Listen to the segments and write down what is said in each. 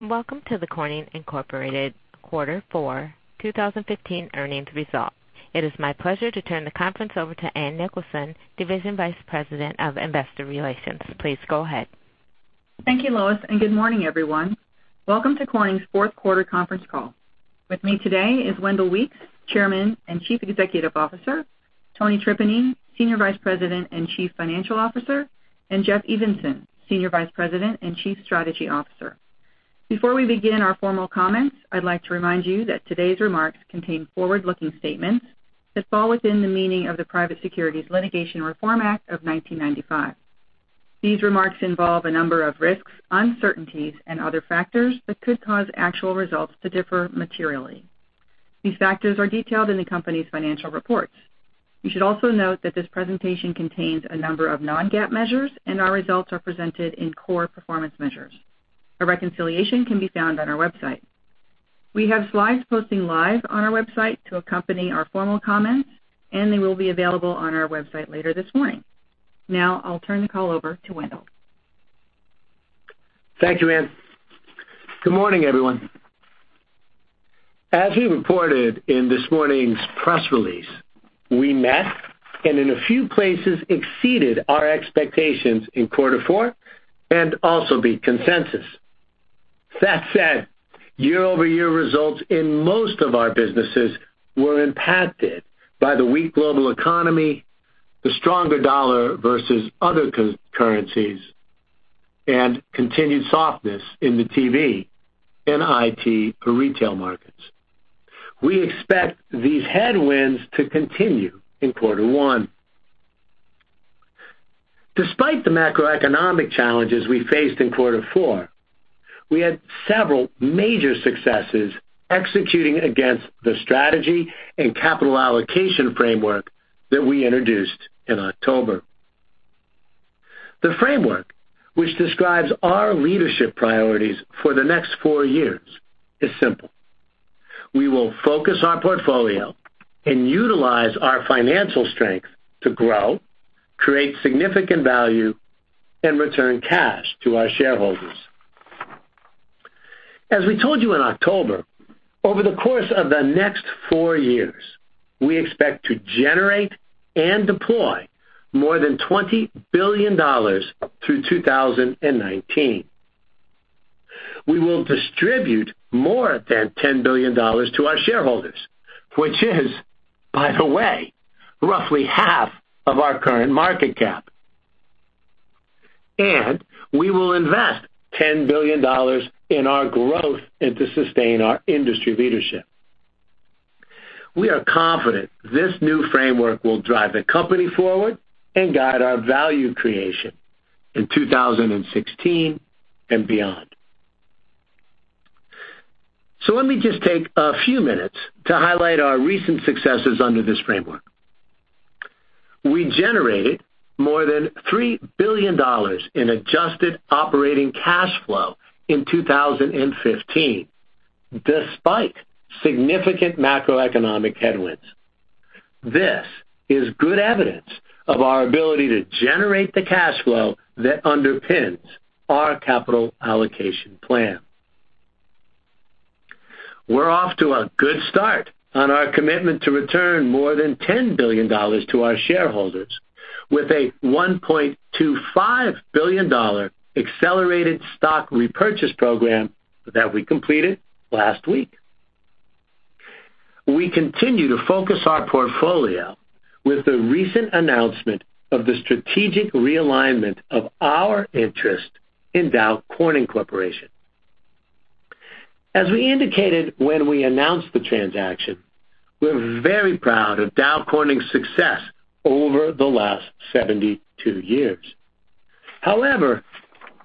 Welcome to the Corning Incorporated Quarter Four 2015 Earnings Results. It is my pleasure to turn the conference over to Ann Nicholson, Division Vice President of Investor Relations. Please go ahead. Thank you, Lois. Good morning, everyone. Welcome to Corning's fourth quarter conference call. With me today is Wendell Weeks, Chairman and Chief Executive Officer, Tony Tripeny, Senior Vice President and Chief Financial Officer, and Jeff Evenson, Senior Vice President and Chief Strategy Officer. Before we begin our formal comments, I'd like to remind you that today's remarks contain forward-looking statements that fall within the meaning of the Private Securities Litigation Reform Act of 1995. These remarks involve a number of risks, uncertainties, and other factors that could cause actual results to differ materially. These factors are detailed in the company's financial reports. You should also note that this presentation contains a number of non-GAAP measures. Our results are presented in core performance measures. A reconciliation can be found on our website. We have slides posting live on our website to accompany our formal comments. They will be available on our website later this morning. I'll turn the call over to Wendell. Thank you, Ann. Good morning, everyone. As we reported in this morning's press release, we met, and in a few places, exceeded our expectations in quarter four. Also beat consensus. That said, year-over-year results in most of our businesses were impacted by the weak global economy, the stronger dollar versus other currencies, and continued softness in the TV and IT retail markets. We expect these headwinds to continue in quarter one. Despite the macroeconomic challenges we faced in quarter four, we had several major successes executing against the strategy and capital allocation framework that we introduced in October. The framework, which describes our leadership priorities for the next four years, is simple. We will focus our portfolio and utilize our financial strength to grow, create significant value, and return cash to our shareholders. As we told you in October, over the course of the next four years, we expect to generate and deploy more than $20 billion through 2019. We will distribute more than $10 billion to our shareholders, which is, by the way, roughly half of our current market cap. We will invest $10 billion in our growth and to sustain our industry leadership. We are confident this new framework will drive the company forward and guide our value creation in 2016 and beyond. Let me just take a few minutes to highlight our recent successes under this framework. We generated more than $3 billion in adjusted operating cash flow in 2015, despite significant macroeconomic headwinds. This is good evidence of our ability to generate the cash flow that underpins our capital allocation plan. We're off to a good start on our commitment to return more than $10 billion to our shareholders with a $1.25 billion accelerated stock repurchase program that we completed last week. We continue to focus our portfolio with the recent announcement of the strategic realignment of our interest in Dow Corning Corporation. As we indicated when we announced the transaction, we're very proud of Dow Corning's success over the last 72 years. However,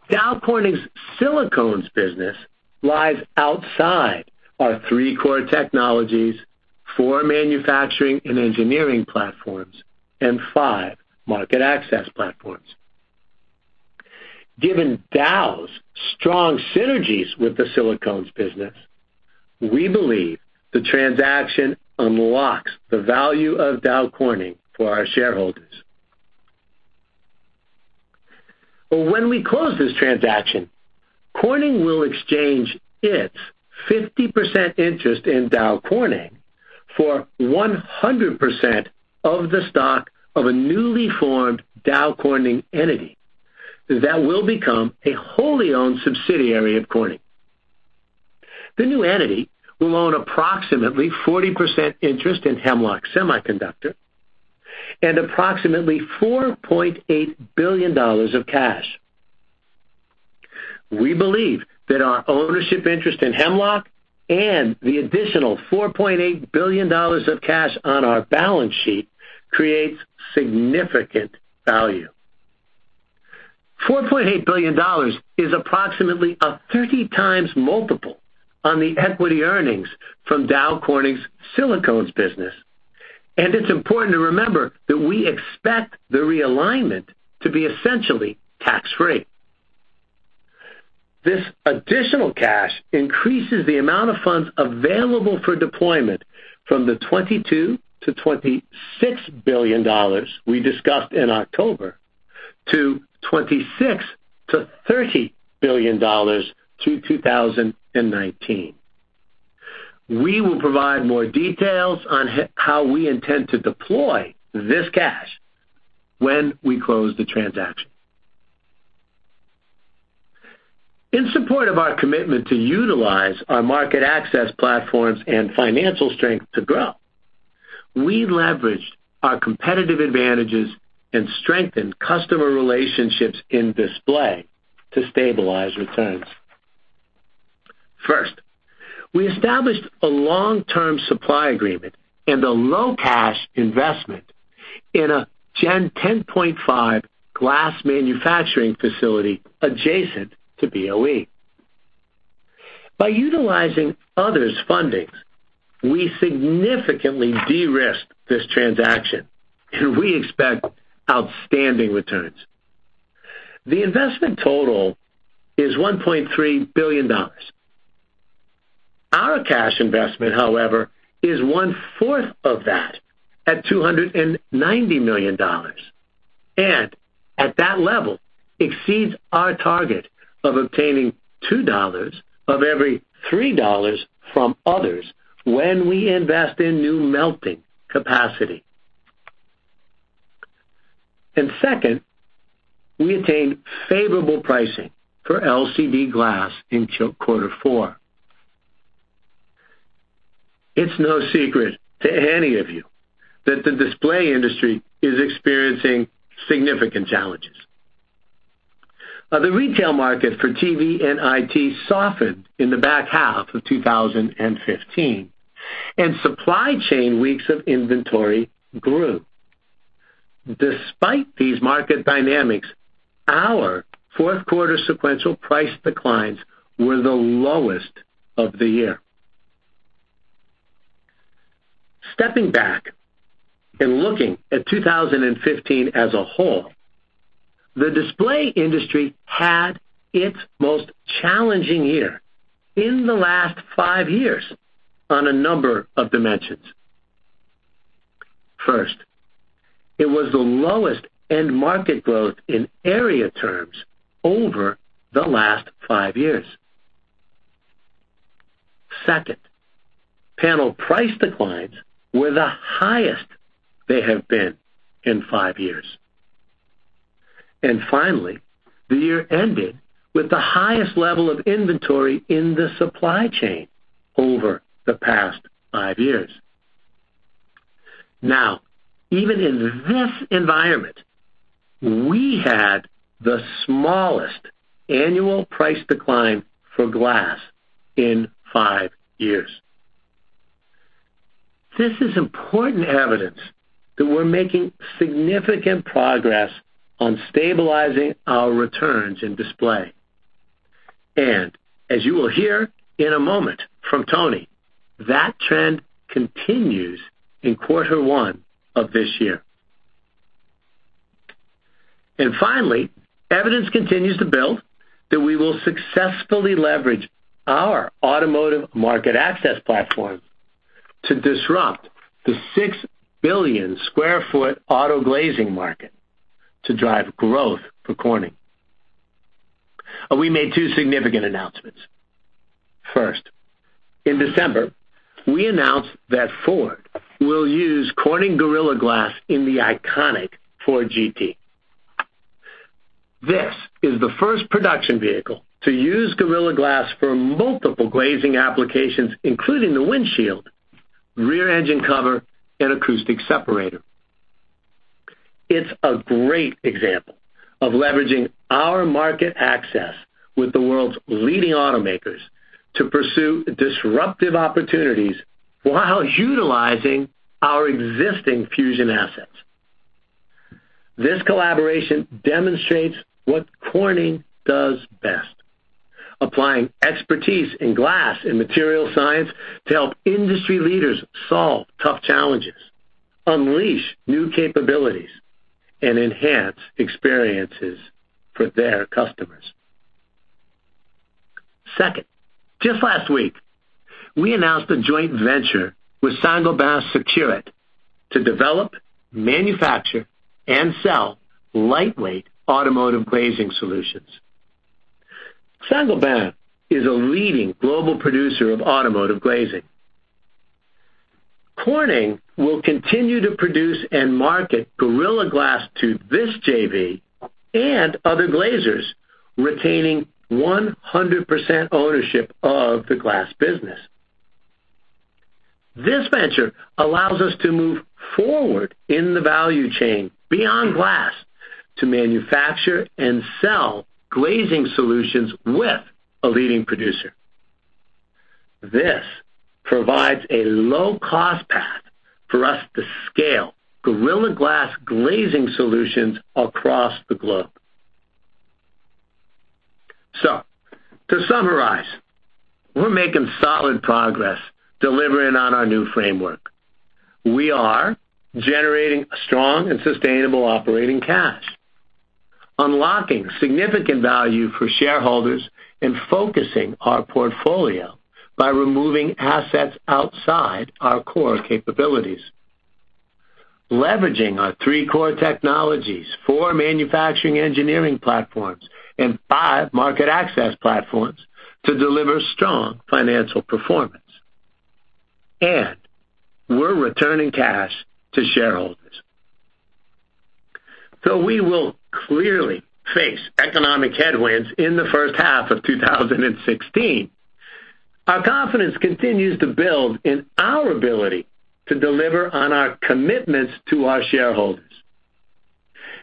Dow Corning's silicones business lies outside our three core technologies, four manufacturing and engineering platforms, and five market access platforms. Given Dow's strong synergies with the silicones business, we believe the transaction unlocks the value of Dow Corning for our shareholders. When we close this transaction, Corning will exchange its 50% interest in Dow Corning for 100% of the stock of a newly formed Dow Corning entity that will become a wholly owned subsidiary of Corning. The new entity will own approximately 40% interest in Hemlock Semiconductor and approximately $4.8 billion of cash. We believe that our ownership interest in Hemlock and the additional $4.8 billion of cash on our balance sheet creates significant value. $4.8 billion is approximately a 30 times multiple on the equity earnings from Dow Corning's silicones business, and it's important to remember that we expect the realignment to be essentially tax-free. This additional cash increases the amount of funds available for deployment from the $22 billion-$26 billion we discussed in October to $26 billion-$30 billion through 2019. We will provide more details on how we intend to deploy this cash when we close the transaction. In support of our commitment to utilize our market access platforms and financial strength to grow, we leveraged our competitive advantages and strengthened customer relationships in display to stabilize returns. First, we established a long-term supply agreement and a low-cash investment in a Gen 10.5 glass manufacturing facility adjacent to BOE. By utilizing others' fundings, we significantly de-risked this transaction, we expect outstanding returns. The investment total is $1.3 billion. Our cash investment, however, is one-fourth of that at $290 million, and at that level, exceeds our target of obtaining $2 of every $3 from others when we invest in new melting capacity. Second, we attained favorable pricing for LCD glass in quarter four. It's no secret to any of you that the display industry is experiencing significant challenges. The retail market for TV and IT softened in the back half of 2015, and supply chain weeks of inventory grew. Despite these market dynamics, our fourth quarter sequential price declines were the lowest of the year. Stepping back and looking at 2015 as a whole, the display industry had its most challenging year in the last five years on a number of dimensions. First, it was the lowest end market growth in area terms over the last five years. Second, panel price declines were the highest they have been in five years. Finally, the year ended with the highest level of inventory in the supply chain over the past five years. Even in this environment, we had the smallest annual price decline for glass in five years. This is important evidence that we're making significant progress on stabilizing our returns in display. As you will hear in a moment from Tony, that trend continues in quarter one of this year. Finally, evidence continues to build that we will successfully leverage our automotive market access platform to disrupt the 6 billion square foot auto glazing market to drive growth for Corning. We made two significant announcements. First, in December, we announced that Ford will use Corning Gorilla Glass in the iconic Ford GT. This is the first production vehicle to use Gorilla Glass for multiple glazing applications, including the windshield, rear engine cover, and acoustic separator. It's a great example of leveraging our market access with the world's leading automakers to pursue disruptive opportunities while utilizing our existing fusion assets. This collaboration demonstrates what Corning does best, applying expertise in glass and material science to help industry leaders solve tough challenges, unleash new capabilities, and enhance experiences for their customers. Second, just last week, we announced a joint venture with Saint-Gobain Sekurit to develop, manufacture, and sell lightweight automotive glazing solutions. Saint-Gobain is a leading global producer of automotive glazing. Corning will continue to produce and market Gorilla Glass to this JV and other glazers, retaining 100% ownership of the glass business. This venture allows us to move forward in the value chain beyond glass to manufacture and sell glazing solutions with a leading producer. This provides a low-cost path for us to scale Gorilla Glass glazing solutions across the globe. To summarize, we're making solid progress delivering on our new framework. We are generating strong and sustainable operating cash, unlocking significant value for shareholders, and focusing our portfolio by removing assets outside our core capabilities Leveraging our three core technologies, four manufacturing engineering platforms, and five market access platforms to deliver strong financial performance. We're returning cash to shareholders. Though we will clearly face economic headwinds in the first half of 2016, our confidence continues to build in our ability to deliver on our commitments to our shareholders.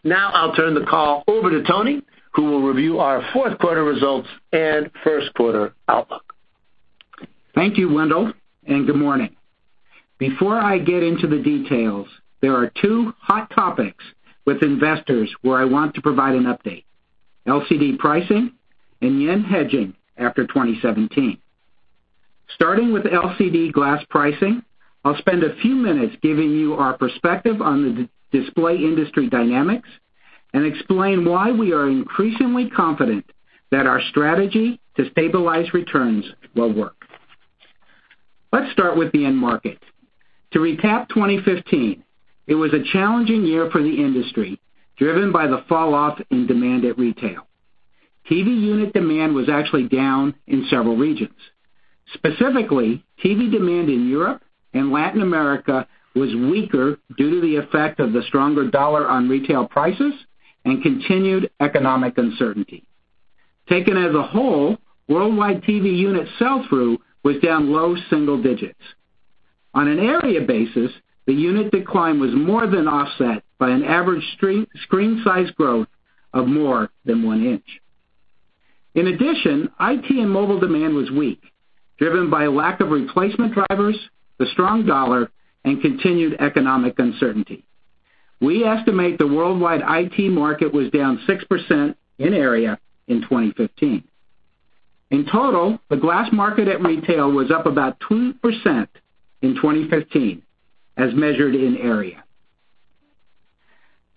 I'll turn the call over to Tony, who will review our fourth quarter results and first quarter outlook. Thank you, Wendell, and good morning. Before I get into the details, there are two hot topics with investors where I want to provide an update: LCD pricing and yen hedging after 2017. Starting with LCD glass pricing, I will spend a few minutes giving you our perspective on the display industry dynamics and explain why we are increasingly confident that our strategy to stabilize returns will work. Let's start with the end market. To recap 2015, it was a challenging year for the industry, driven by the fall-off in demand at retail. TV unit demand was actually down in several regions. Specifically, TV demand in Europe and Latin America was weaker due to the effect of the stronger dollar on retail prices and continued economic uncertainty. Taken as a whole, worldwide TV unit sell-through was down low single digits. On an area basis, the unit decline was more than offset by an average screen size growth of more than one inch. In addition, IT and mobile demand was weak, driven by a lack of replacement drivers, the strong dollar, and continued economic uncertainty. We estimate the worldwide IT market was down 6% in area in 2015. In total, the glass market at retail was up about 2% in 2015, as measured in area.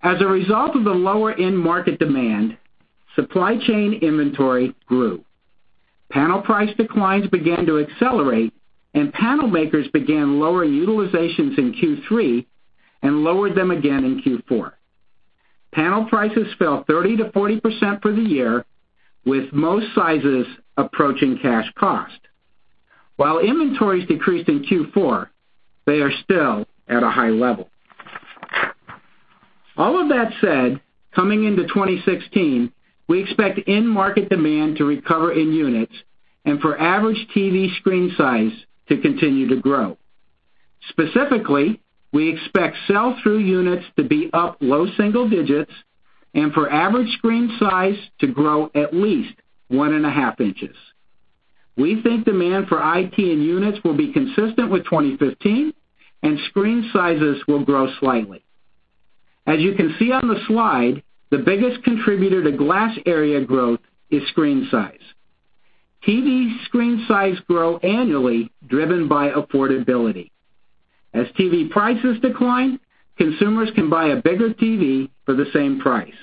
As a result of the lower end market demand, supply chain inventory grew. Panel price declines began to accelerate and panel makers began lowering utilizations in Q3 and lowered them again in Q4. Panel prices fell 30%-40% for the year, with most sizes approaching cash cost. While inventories decreased in Q4, they are still at a high level. All of that said, coming into 2016, we expect end market demand to recover in units and for average TV screen size to continue to grow. Specifically, we expect sell-through units to be up low single digits and for average screen size to grow at least one and a half inches. We think demand for IT and units will be consistent with 2015 and screen sizes will grow slightly. As you can see on the slide, the biggest contributor to glass area growth is screen size. TV screen size grow annually driven by affordability. As TV prices decline, consumers can buy a bigger TV for the same price.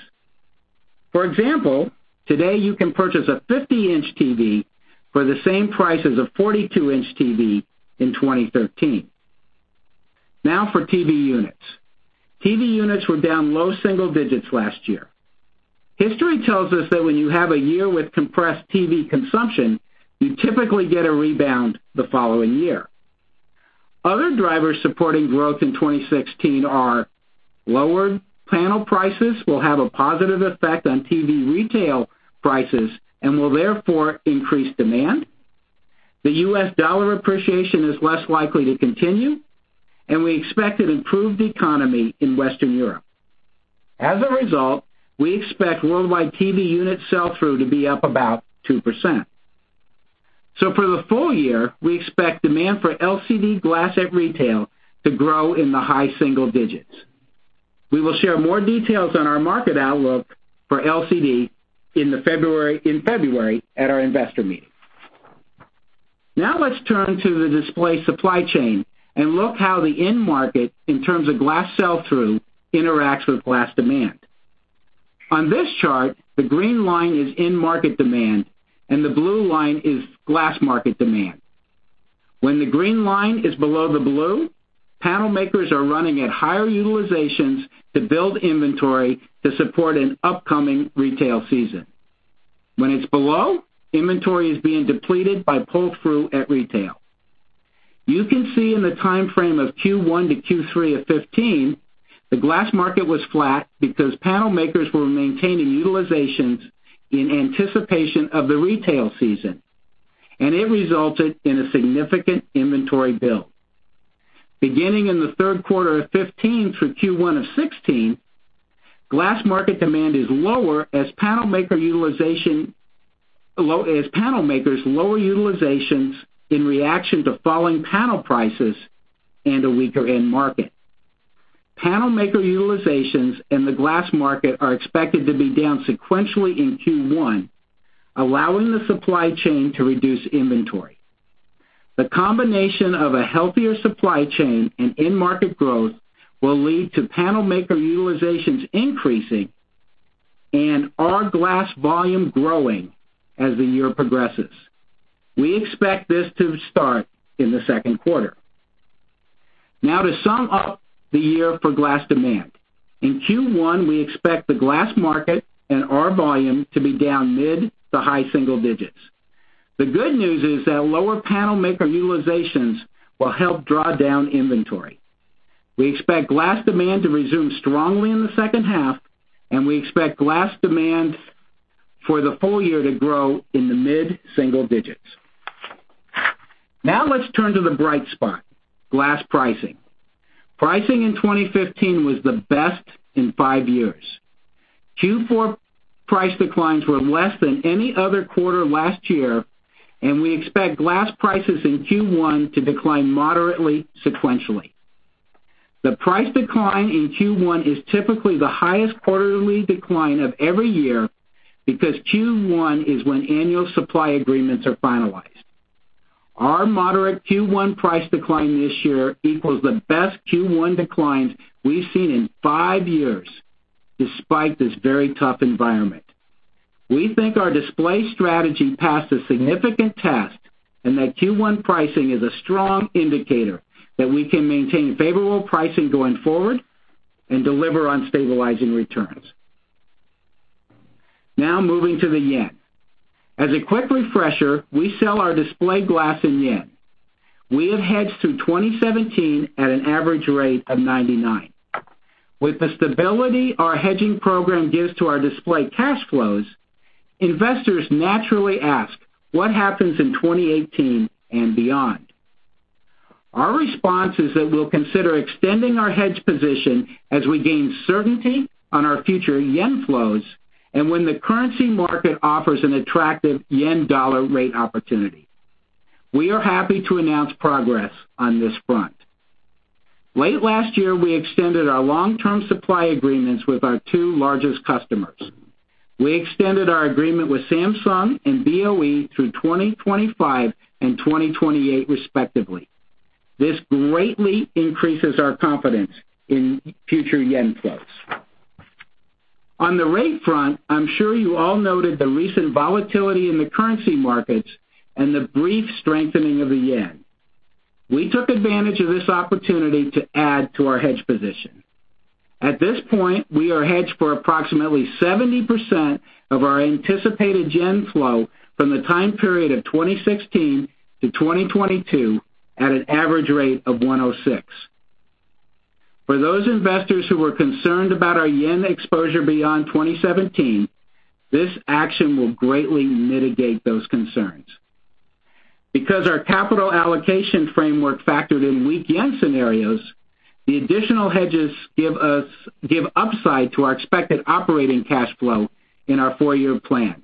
For example, today you can purchase a 50-inch TV for the same price as a 42-inch TV in 2013. For TV units. TV units were down low single digits last year. History tells us that when you have a year with compressed TV consumption, you typically get a rebound the following year. Other drivers supporting growth in 2016 are lower panel prices will have a positive effect on TV retail prices and will therefore increase demand. The U.S. dollar appreciation is less likely to continue, and we expect an improved economy in Western Europe. As a result, we expect worldwide TV unit sell-through to be up about 2%. For the full year, we expect demand for LCD glass at retail to grow in the high single digits. We will share more details on our market outlook for LCD in February at our investor meeting. Let's turn to the display supply chain and look how the end market, in terms of glass sell-through, interacts with glass demand. On this chart, the green line is end market demand and the blue line is glass market demand. When the green line is below the blue, panel makers are running at higher utilizations to build inventory to support an upcoming retail season. When it's below, inventory is being depleted by pull-through at retail. You can see in the time frame of Q1 to Q3 of 2015, the glass market was flat because panel makers were maintaining utilizations in anticipation of the retail season, and it resulted in a significant inventory build. Beginning in the third quarter of 2015 through Q1 of 2016, glass market demand is lower as panel makers lower utilizations in reaction to falling panel prices and a weaker end market. Panel maker utilizations in the glass market are expected to be down sequentially in Q1, allowing the supply chain to reduce inventory. The combination of a healthier supply chain and end market growth will lead to panel maker utilizations increasing. Our glass volume growing as the year progresses. We expect this to start in the second quarter. Now to sum up the year for glass demand. In Q1, we expect the glass market and our volume to be down mid to high single digits. The good news is that lower panel maker utilizations will help draw down inventory. We expect glass demand to resume strongly in the second half, and we expect glass demand for the full year to grow in the mid-single digits. Now let's turn to the bright spot, glass pricing. Pricing in 2015 was the best in five years. Q4 price declines were less than any other quarter last year, and we expect glass prices in Q1 to decline moderately sequentially. The price decline in Q1 is typically the highest quarterly decline of every year because Q1 is when annual supply agreements are finalized. Our moderate Q1 price decline this year equals the best Q1 declines we've seen in five years, despite this very tough environment. We think our Display Technologies strategy passed a significant test, and that Q1 pricing is a strong indicator that we can maintain favorable pricing going forward and deliver on stabilizing returns. Now moving to the yen. As a quick refresher, we sell our display glass in yen. We have hedged through 2017 at an average rate of 99. With the stability our hedging program gives to our display cash flows, investors naturally ask, "What happens in 2018 and beyond?" Our response is that we'll consider extending our hedge position as we gain certainty on our future yen flows and when the currency market offers an attractive JPY-USD rate opportunity. We are happy to announce progress on this front. Late last year, we extended our long-term supply agreements with our two largest customers. We extended our agreement with Samsung and BOE Technology Group through 2025 and 2028, respectively. This greatly increases our confidence in future yen flows. On the rate front, I'm sure you all noted the recent volatility in the currency markets and the brief strengthening of the yen. We took advantage of this opportunity to add to our hedge position. At this point, we are hedged for approximately 70% of our anticipated JPY flow from the time period of 2016 to 2022 at an average rate of 106. For those investors who were concerned about our JPY exposure beyond 2017, this action will greatly mitigate those concerns. Because our capital allocation framework factored in weak JPY scenarios, the additional hedges give upside to our expected operating cash flow in our four-year plan.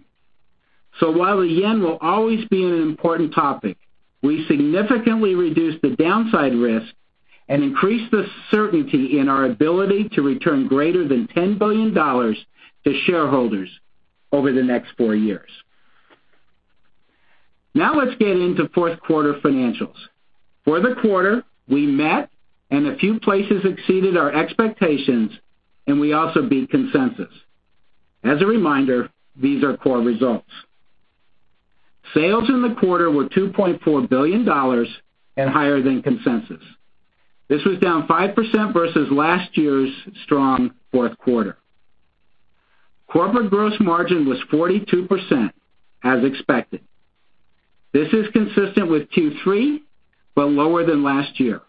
While the JPY will always be an important topic, we significantly reduced the downside risk and increased the certainty in our ability to return greater than $10 billion to shareholders over the next four years. Now let's get into fourth quarter financials. For the quarter, we met and a few places exceeded our expectations, and we also beat consensus. As a reminder, these are core results. Sales in the quarter were $2.4 billion and higher than consensus. This was down 5% versus last year's strong fourth quarter. Corporate gross margin was 42% as expected. This is consistent with Q3, but lower than last year.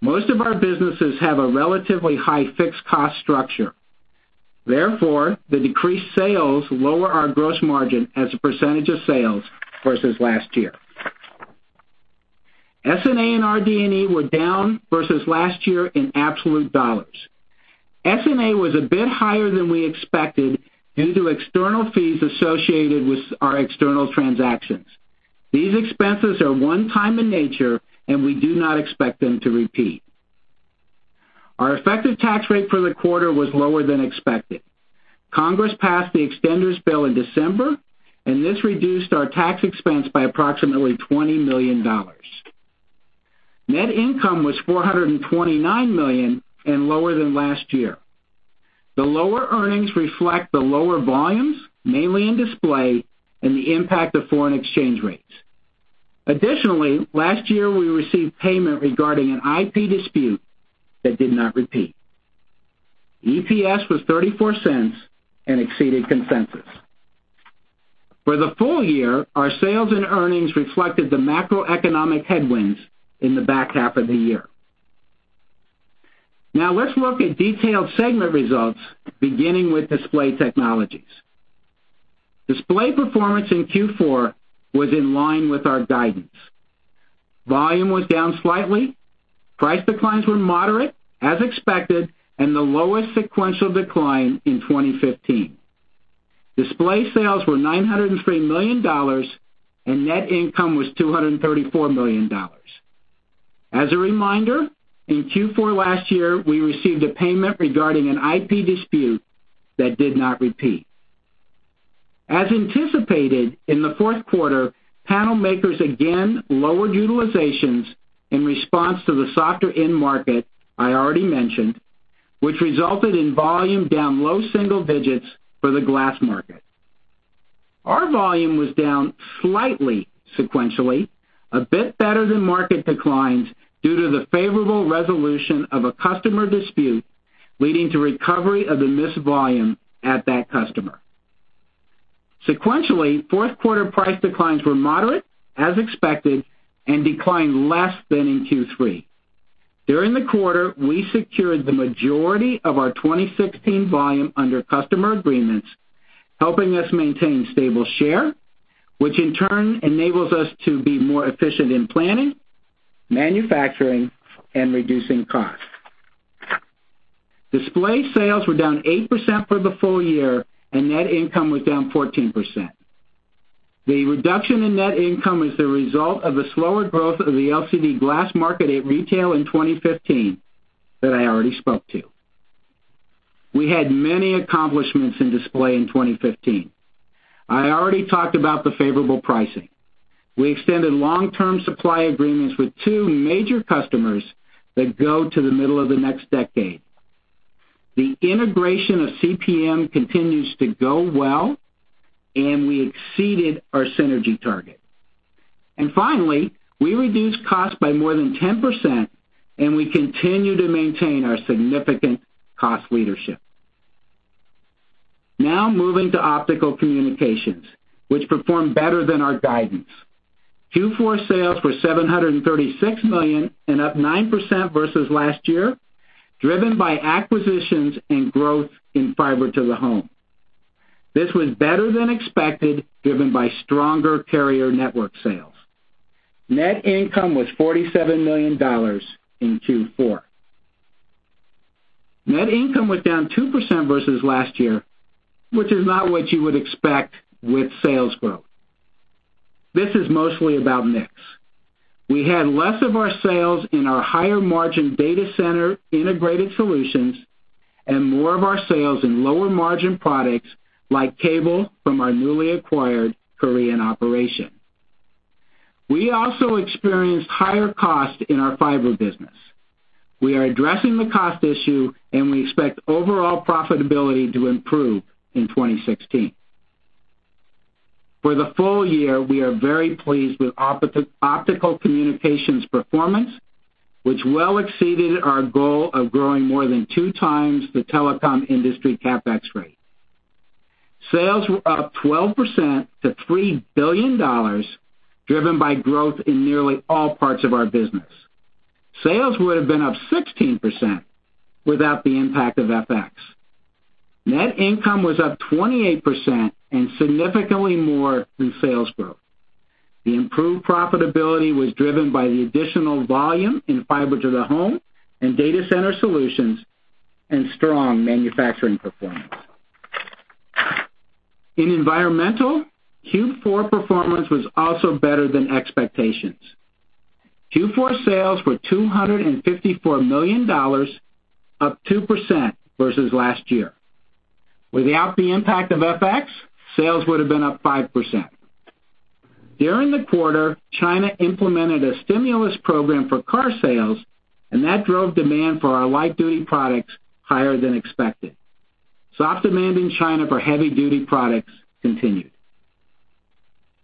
Most of our businesses have a relatively high fixed cost structure. Therefore, the decreased sales lower our gross margin as a percentage of sales versus last year. SG&A and RD&E were down versus last year in absolute dollars. SG&A was a bit higher than we expected due to external fees associated with our external transactions. These expenses are one-time in nature, and we do not expect them to repeat. Our effective tax rate for the quarter was lower than expected. Congress passed the Extenders bill in December. This reduced our tax expense by approximately $20 million. Net income was $429 million and lower than last year. The lower earnings reflect the lower volumes, mainly in display, and the impact of foreign exchange rates. Additionally, last year, we received payment regarding an IP dispute that did not repeat. EPS was $0.34 and exceeded consensus. For the full year, our sales and earnings reflected the macroeconomic headwinds in the back half of the year. Now let's look at detailed segment results, beginning with Display Technologies. Display performance in Q4 was in line with our guidance. Volume was down slightly. Price declines were moderate, as expected, and the lowest sequential decline in 2015. Display sales were $903 million, and net income was $234 million. As a reminder, in Q4 last year, we received a payment regarding an IP dispute that did not repeat. As anticipated, in the fourth quarter, panel makers again lowered utilizations in response to the softer end market I already mentioned, which resulted in volume down low single digits for the glass market. Our volume was down slightly sequentially, a bit better than market declines due to the favorable resolution of a customer dispute, leading to recovery of the missed volume at that customer. Sequentially, fourth quarter price declines were moderate as expected, and declined less than in Q3. During the quarter, we secured the majority of our 2016 volume under customer agreements, helping us maintain stable share, which in turn enables us to be more efficient in planning, manufacturing, and reducing costs. Display sales were down 8% for the full year, and net income was down 14%. The reduction in net income is the result of a slower growth of the LCD glass market at retail in 2015 that I already spoke to. We had many accomplishments in Display in 2015. I already talked about the favorable pricing. We extended long-term supply agreements with two major customers that go to the middle of the next decade. The integration of CPM continues to go well, and we exceeded our synergy target. Finally, we reduced costs by more than 10%, and we continue to maintain our significant cost leadership. Moving to Optical Communications, which performed better than our guidance. Q4 sales were $736 million and up 9% versus last year, driven by acquisitions and growth in fiber to the home. This was better than expected, driven by stronger carrier network sales. Net income was $47 million in Q4. Net income was down 2% versus last year, which is not what you would expect with sales growth. This is mostly about mix. We had less of our sales in our higher margin data center integrated solutions and more of our sales in lower margin products like cable from our newly acquired Korean operation. We also experienced higher cost in our fiber business. We are addressing the cost issue, and we expect overall profitability to improve in 2016. For the full year, we are very pleased with Optical Communications performance, which well exceeded our goal of growing more than two times the telecom industry CapEx rate. Sales were up 12% to $3 billion, driven by growth in nearly all parts of our business. Sales would've been up 16% without the impact of FX. Net income was up 28% and significantly more than sales growth. The improved profitability was driven by the additional volume in fiber to the home and data center solutions and strong manufacturing performance. In Environmental Technologies, Q4 performance was also better than expectations. Q4 sales were $254 million, up 2% versus last year. Without the impact of FX, sales would've been up 5%. During the quarter, China implemented a stimulus program for car sales, that drove demand for our light-duty products higher than expected. Soft demand in China for heavy-duty products continued.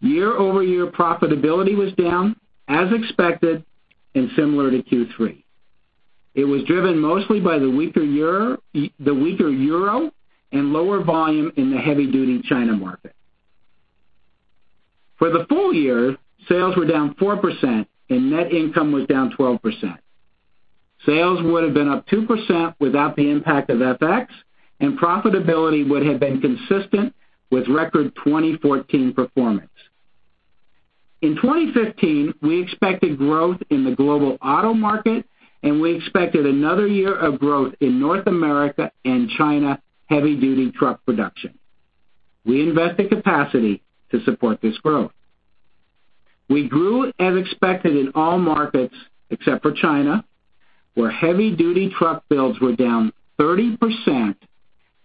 Year-over-year profitability was down, as expected and similar to Q3. It was driven mostly by the weaker EUR and lower volume in the heavy-duty China market. For the full year, sales were down 4% and net income was down 12%. Sales would've been up 2% without the impact of FX, and profitability would have been consistent with record 2014 performance. In 2015, we expected growth in the global auto market, we expected another year of growth in North America and China heavy-duty truck production. We invested capacity to support this growth. We grew as expected in all markets except for China, where heavy-duty truck builds were down 30%,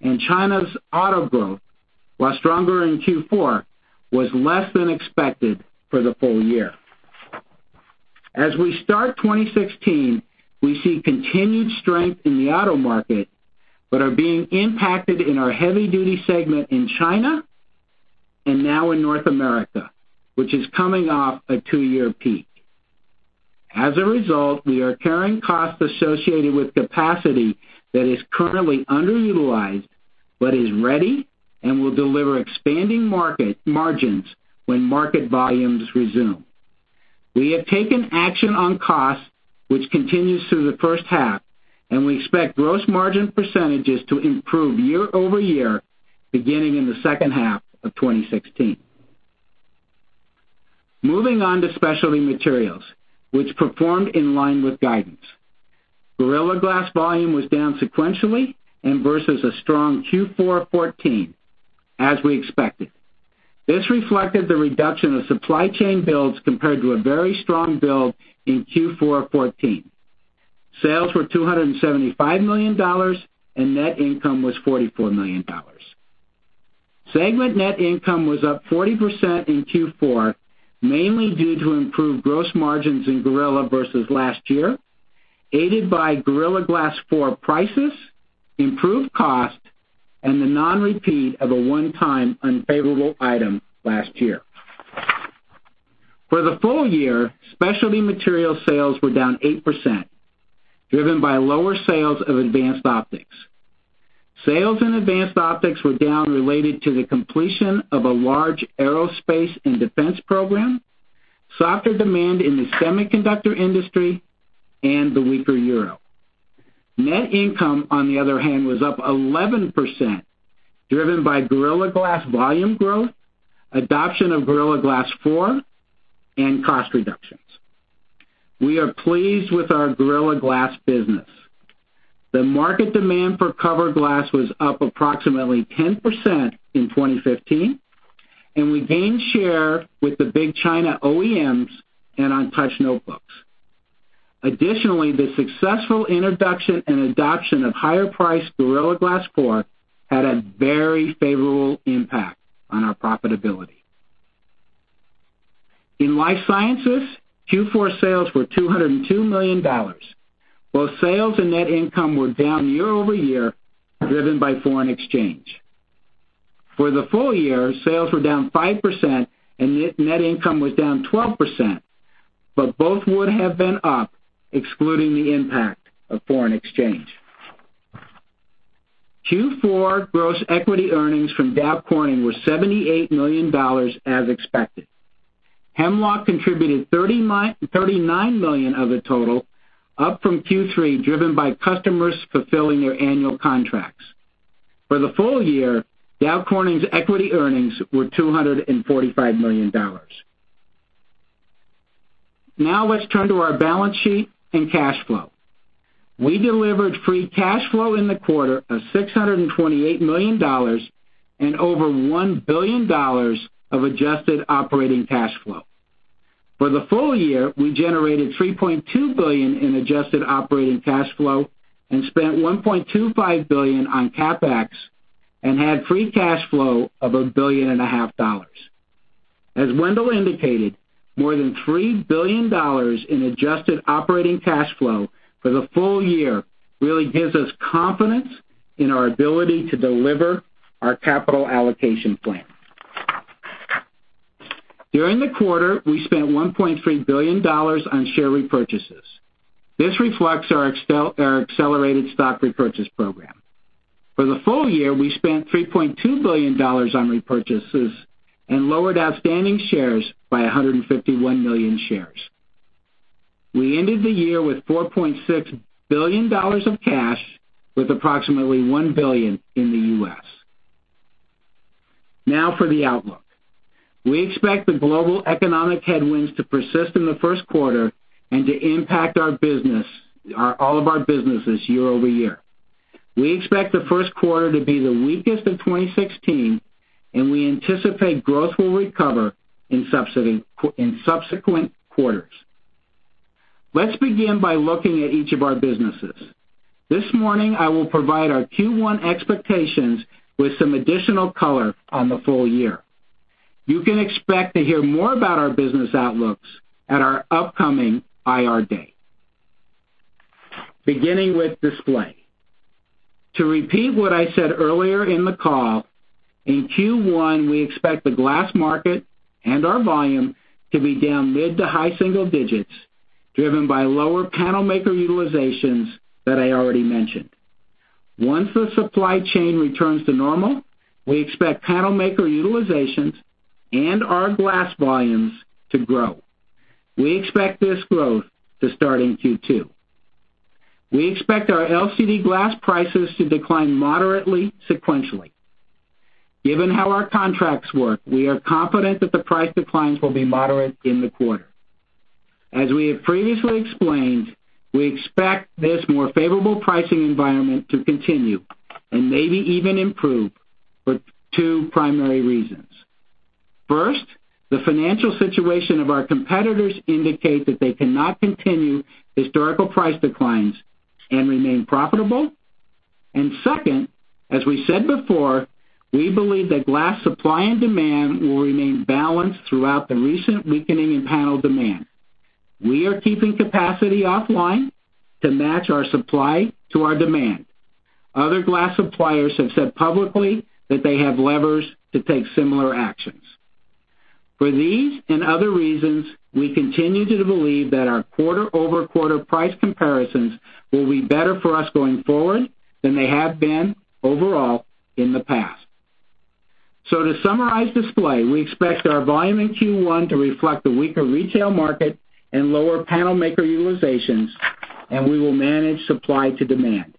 and China's auto growth, while stronger in Q4, was less than expected for the full year. As we start 2016, we see continued strength in the auto market, but are being impacted in our heavy-duty segment in China and now in North America, which is coming off a two-year peak. As a result, we are carrying costs associated with capacity that is currently underutilized but is ready and will deliver expanding margins when market volumes resume. We have taken action on costs, which continues through the first half. We expect gross margin percentages to improve year-over-year beginning in the second half of 2016. Moving on to Specialty Materials, which performed in line with guidance. Gorilla Glass volume was down sequentially and versus a strong Q4 2014, as we expected. This reflected the reduction of supply chain builds compared to a very strong build in Q4 2014. Sales were $275 million, and net income was $44 million. Segment net income was up 40% in Q4, mainly due to improved gross margins in Gorilla versus last year, aided by Gorilla Glass 4 prices, improved cost, and the non-repeat of a one-time unfavorable item last year. For the full year, Specialty Materials sales were down 8%, driven by lower sales of advanced optics. Sales in advanced optics were down related to the completion of a large aerospace and defense program, softer demand in the semiconductor industry, and the weaker EUR. Net income, on the other hand, was up 11%, driven by Gorilla Glass volume growth, adoption of Gorilla Glass 4, and cost reductions. We are pleased with our Gorilla Glass business. The market demand for cover glass was up approximately 10% in 2015, and we gained share with the big China OEMs and on touch notebooks. Additionally, the successful introduction and adoption of higher priced Gorilla Glass 4 had a very favorable impact on our profitability. In Life Sciences, Q4 sales were $202 million. Both sales and net income were down year-over-year, driven by foreign exchange. For the full year, sales were down 5% and net income was down 12%, but both would have been up excluding the impact of foreign exchange. Q4 gross equity earnings from Dow Corning were $78 million, as expected. Hemlock contributed $39 million of the total, up from Q3, driven by customers fulfilling their annual contracts. For the full year, Dow Corning's equity earnings were $245 million. Let's turn to our balance sheet and cash flow. We delivered free cash flow in the quarter of $628 million and over $1 billion of adjusted operating cash flow. For the full year, we generated $3.2 billion in adjusted operating cash flow and spent $1.25 billion on CapEx and had free cash flow of $1.5 billion. As Wendell indicated, more than $3 billion in adjusted operating cash flow for the full year really gives us confidence in our ability to deliver our capital allocation plan. During the quarter, we spent $1.3 billion on share repurchases. This reflects our accelerated stock repurchase program. For the full year, we spent $3.2 billion on repurchases and lowered outstanding shares by 151 million shares. We ended the year with $4.6 billion of cash, with approximately $1 billion in the U.S. For the outlook. We expect the global economic headwinds to persist in the first quarter and to impact all of our businesses year-over-year. We expect the first quarter to be the weakest of 2016, and we anticipate growth will recover in subsequent quarters. Let's begin by looking at each of our businesses. This morning, I will provide our Q1 expectations with some additional color on the full year. You can expect to hear more about our business outlooks at our upcoming IR day. Beginning with Display. To repeat what I said earlier in the call, in Q1, we expect the glass market and our volume to be down mid to high single digits, driven by lower panel maker utilizations that I already mentioned. Once the supply chain returns to normal, we expect panel maker utilizations and our glass volumes to grow. We expect this growth to start in Q2. We expect our LCD glass prices to decline moderately sequentially. Given how our contracts work, we are confident that the price declines will be moderate in the quarter. As we have previously explained, we expect this more favorable pricing environment to continue and maybe even improve for two primary reasons. First, the financial situation of our competitors indicate that they cannot continue historical price declines and remain profitable. Second, as we said before, we believe that glass supply and demand will remain balanced throughout the recent weakening in panel demand. We are keeping capacity offline to match our supply to our demand. Other glass suppliers have said publicly that they have levers to take similar actions. For these and other reasons, we continue to believe that our quarter-over-quarter price comparisons will be better for us going forward than they have been overall in the past. To summarize display, we expect our volume in Q1 to reflect the weaker retail market and lower panel maker utilizations, and we will manage supply to demand.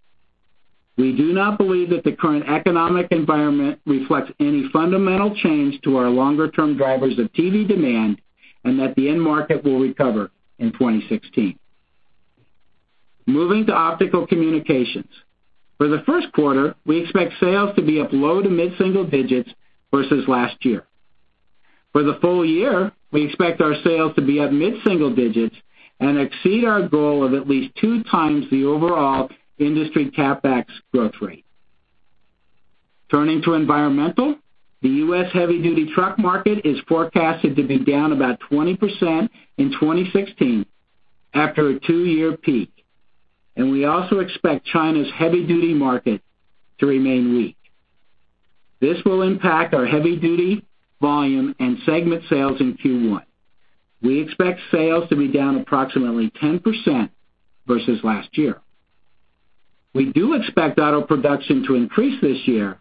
We do not believe that the current economic environment reflects any fundamental change to our longer-term drivers of TV demand and that the end market will recover in 2016. Moving to Optical Communications. For the first quarter, we expect sales to be up low to mid-single digits versus last year. For the full year, we expect our sales to be up mid-single digits and exceed our goal of at least two times the overall industry CapEx growth rate. Turning to Environmental Technologies, the U.S. heavy-duty truck market is forecasted to be down about 20% in 2016 after a two-year peak, and we also expect China's heavy-duty market to remain weak. This will impact our heavy-duty volume and segment sales in Q1. We expect sales to be down approximately 10% versus last year. We do expect auto production to increase this year,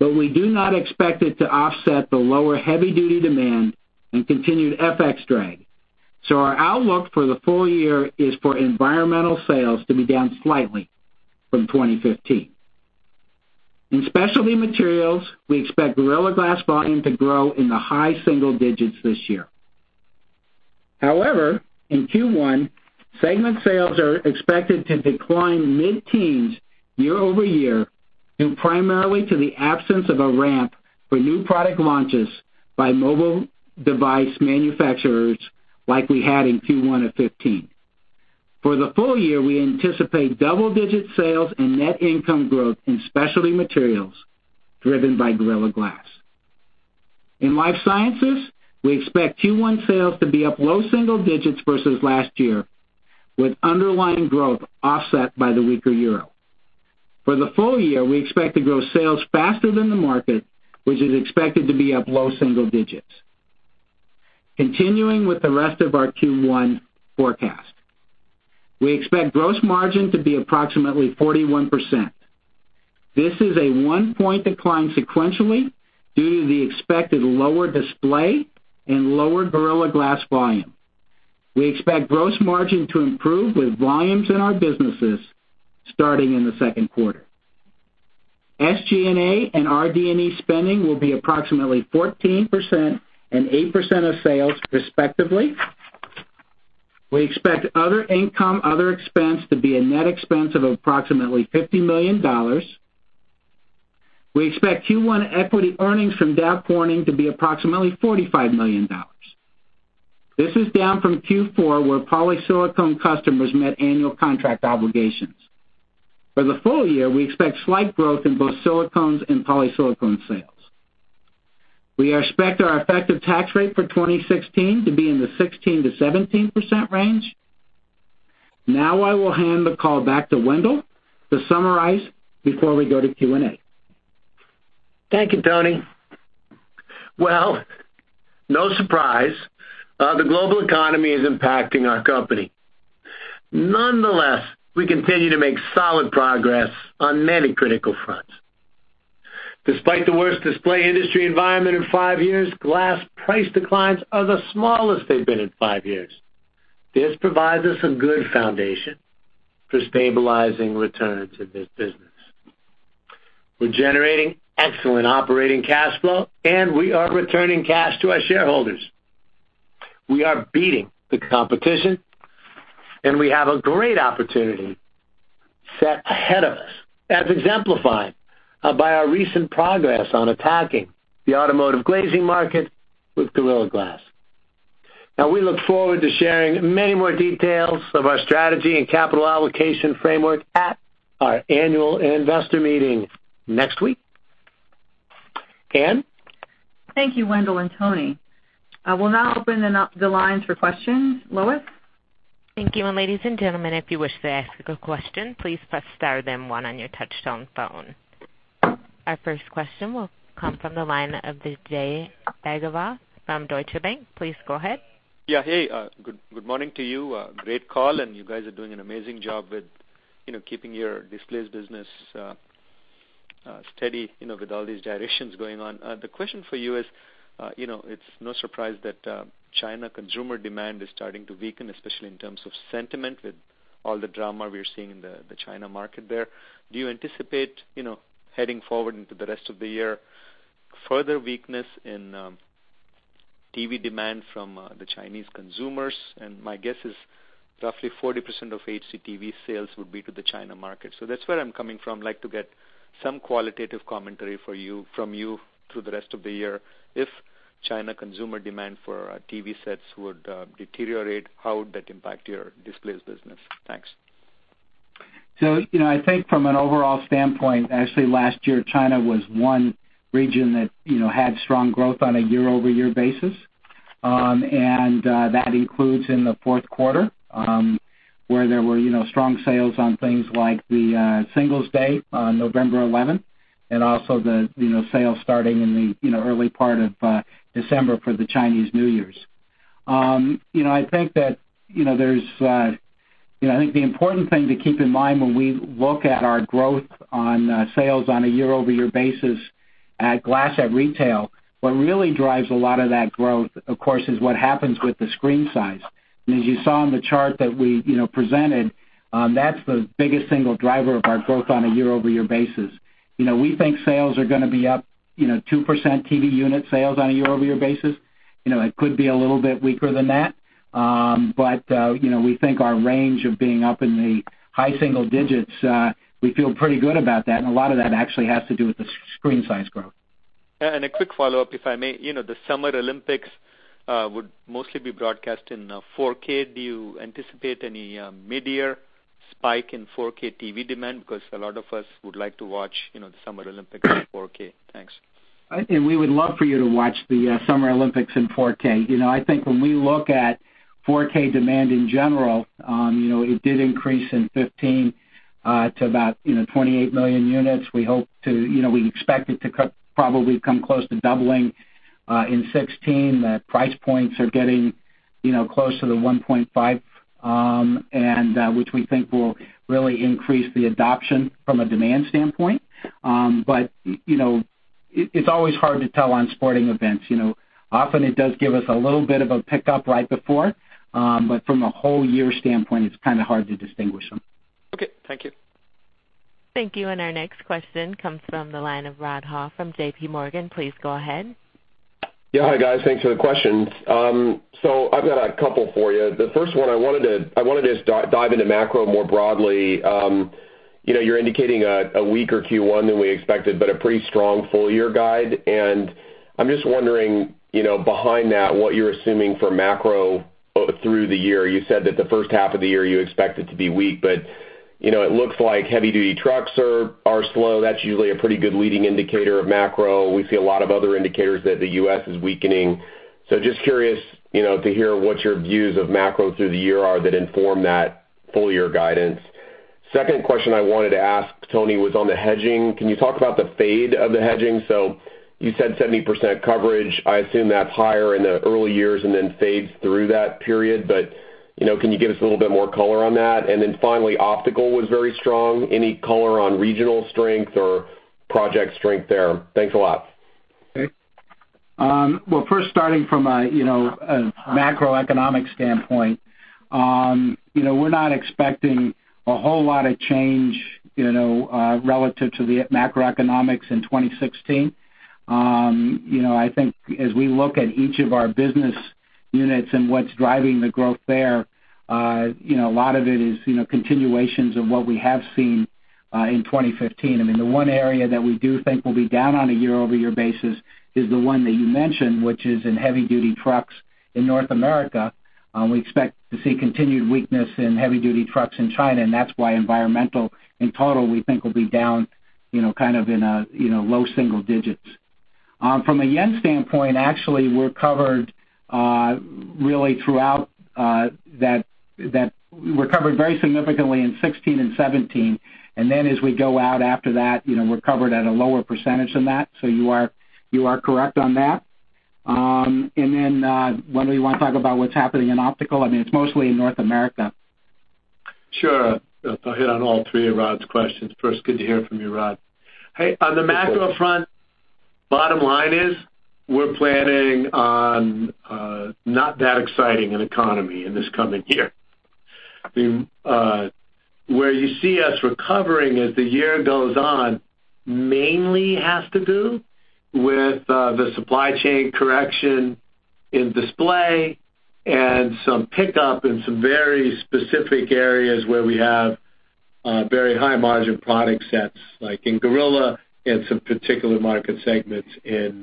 we do not expect it to offset the lower heavy-duty demand and continued FX drag. Our outlook for the full year is for Environmental Technologies sales to be down slightly from 2015. In Specialty Materials, we expect Gorilla Glass volume to grow in the high single digits this year. However, in Q1, segment sales are expected to decline mid-teens year-over-year, due primarily to the absence of a ramp for new product launches by mobile device manufacturers like we had in Q1 of 2015. For the full year, we anticipate double-digit sales and net income growth in Specialty Materials driven by Gorilla Glass. In Life Sciences, we expect Q1 sales to be up low single digits versus last year, with underlying growth offset by the weaker Euro. For the full year, we expect to grow sales faster than the market, which is expected to be up low single digits. Continuing with the rest of our Q1 forecast, we expect gross margin to be approximately 41%. This is a one point decline sequentially due to the expected lower display and lower Gorilla Glass volume. We expect gross margin to improve with volumes in our businesses starting in the second quarter. SG&A and RD&E spending will be approximately 14% and 8% of sales respectively. We expect other income, other expense to be a net expense of approximately $50 million. We expect Q1 equity earnings from Dow Corning to be approximately $45 million. This is down from Q4, where polysilicon customers met annual contract obligations. For the full year, we expect slight growth in both silicones and polysilicon sales. We expect our effective tax rate for 2016 to be in the 16%-17% range. I will hand the call back to Wendell to summarize before we go to Q&A. Thank you, Tony. Well, no surprise, the global economy is impacting our company. Nonetheless, we continue to make solid progress on many critical fronts. Despite the worst display industry environment in five years, glass price declines are the smallest they've been in five years. This provides us a good foundation for stabilizing returns in this business. We're generating excellent operating cash flow, and we are returning cash to our shareholders. We are beating the competition, and we have a great opportunity set ahead of us, as exemplified by our recent progress on attacking the automotive glazing market with Gorilla Glass. We look forward to sharing many more details of our strategy and capital allocation framework at our annual investor meeting next week. Anne? Thank you, Wendell and Tony. I will now open the lines for questions. Lois? Thank you. Ladies and gentlemen, if you wish to ask a question, please press star then one on your touchtone phone. Our first question will come from the line of Vijay Bhagwat from Deutsche Bank. Please go ahead. Yeah. Hey, good morning to you. Great call. You guys are doing an amazing job with keeping your displays business steady with all these directions going on. The question for you is, it's no surprise that China consumer demand is starting to weaken, especially in terms of sentiment with all the drama we are seeing in the China market there. Do you anticipate, heading forward into the rest of the year, further weakness in TV demand from the Chinese consumers? My guess is roughly 40% of HDTV sales would be to the China market. That's where I'm coming from. Like to get some qualitative commentary from you through the rest of the year. If China consumer demand for TV sets would deteriorate, how would that impact your displays business? Thanks. I think from an overall standpoint, actually last year, China was one region that had strong growth on a year-over-year basis. That includes in the fourth quarter, where there were strong sales on things like the Singles' Day on November 11th and also the sales starting in the early part of December for the Chinese New Year. I think the important thing to keep in mind when we look at our growth on sales on a year-over-year basis at glass at retail, what really drives a lot of that growth, of course, is what happens with the screen size. As you saw on the chart that we presented, that's the biggest single driver of our growth on a year-over-year basis. We think sales are going to be up 2% TV unit sales on a year-over-year basis. It could be a little bit weaker than that. We think our range of being up in the high single digits, we feel pretty good about that. A lot of that actually has to do with the screen size growth. A quick follow-up, if I may. The Summer Olympics would mostly be broadcast in 4K. Do you anticipate any mid-year spike in 4K TV demand? A lot of us would like to watch the Summer Olympics in 4K. Thanks. We would love for you to watch the Summer Olympics in 4K. I think when we look at 4K demand in general, it did increase in 2015 to about 28 million units. We expect it to probably come close to doubling in 2016. The price points are getting close to the $1.5, which we think will really increase the adoption from a demand standpoint. It's always hard to tell on sporting events. Often it does give us a little bit of a pickup right before, but from a whole year standpoint, it's kind of hard to distinguish them. Okay, thank you. Thank you. Our next question comes from the line of Rod Hall from J.P. Morgan. Please go ahead. Yeah. Hi, guys. Thanks for the questions. I've got a couple for you. The first one, I wanted to just dive into macro more broadly. You're indicating a weaker Q1 than we expected, but a pretty strong full-year guide. I'm just wondering, behind that, what you're assuming for macro through the year. You said that the first half of the year, you expect it to be weak, but it looks like heavy-duty trucks are slow. That's usually a pretty good leading indicator of macro. We see a lot of other indicators that the U.S. is weakening. Just curious to hear what your views of macro through the year are that inform that full-year guidance. Second question I wanted to ask, Tony, was on the hedging. Can you talk about the fade of the hedging? You said 70% coverage. I assume that's higher in the early years and then fades through that period. Can you give us a little bit more color on that? Finally, optical was very strong. Any color on regional strength or project strength there? Thanks a lot. Okay. Well, first starting from a macroeconomic standpoint, we're not expecting a whole lot of change relative to the macroeconomics in 2016. I think as we look at each of our business units and what's driving the growth there, a lot of it is continuations of what we have seen in 2015. The one area that we do think will be down on a year-over-year basis is the one that you mentioned, which is in heavy-duty trucks in North America. We expect to see continued weakness in heavy-duty trucks in China, and that's why environmental in total, we think will be down kind of in low single digits. From a yen standpoint, actually, we're covered very significantly in 2016 and 2017, and then as we go out after that, we're covered at a lower percentage than that. You are correct on that. Wendell, you want to talk about what's happening in optical? It's mostly in North America. Sure. I'll hit on all three of Rod's questions. First, good to hear from you, Rod. Hey, on the macro front, bottom line is we're planning on not that exciting an economy in this coming year. Where you see us recovering as the year goes on mainly has to do with the supply chain correction in display and some pickup in some very specific areas where we have very high-margin product sets, like in Gorilla and some particular market segments in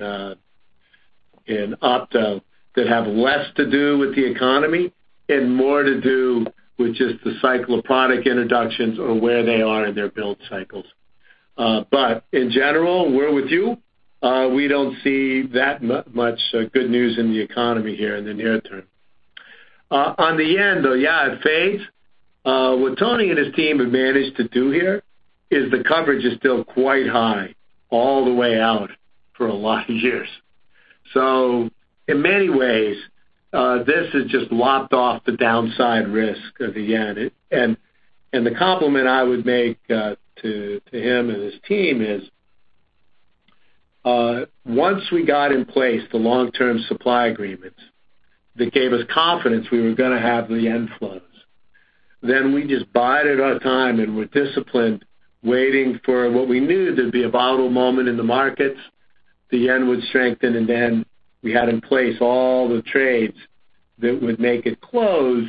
opto that have less to do with the economy and more to do with just the cycle of product introductions or where they are in their build cycles. In general, we're with you. We don't see that much good news in the economy here in the near term. On the yen, though, yeah, it fades. What Tony and his team have managed to do here is the coverage is still quite high all the way out for a lot of years. In many ways, this has just lopped off the downside risk of the yen. The compliment I would make to him and his team is, once we got in place the long-term supply agreements that gave us confidence we were going to have the yen flows, then we just bided our time and were disciplined, waiting for what we knew there'd be a bottom moment in the markets, the yen would strengthen, and then we had in place all the trades that would make it close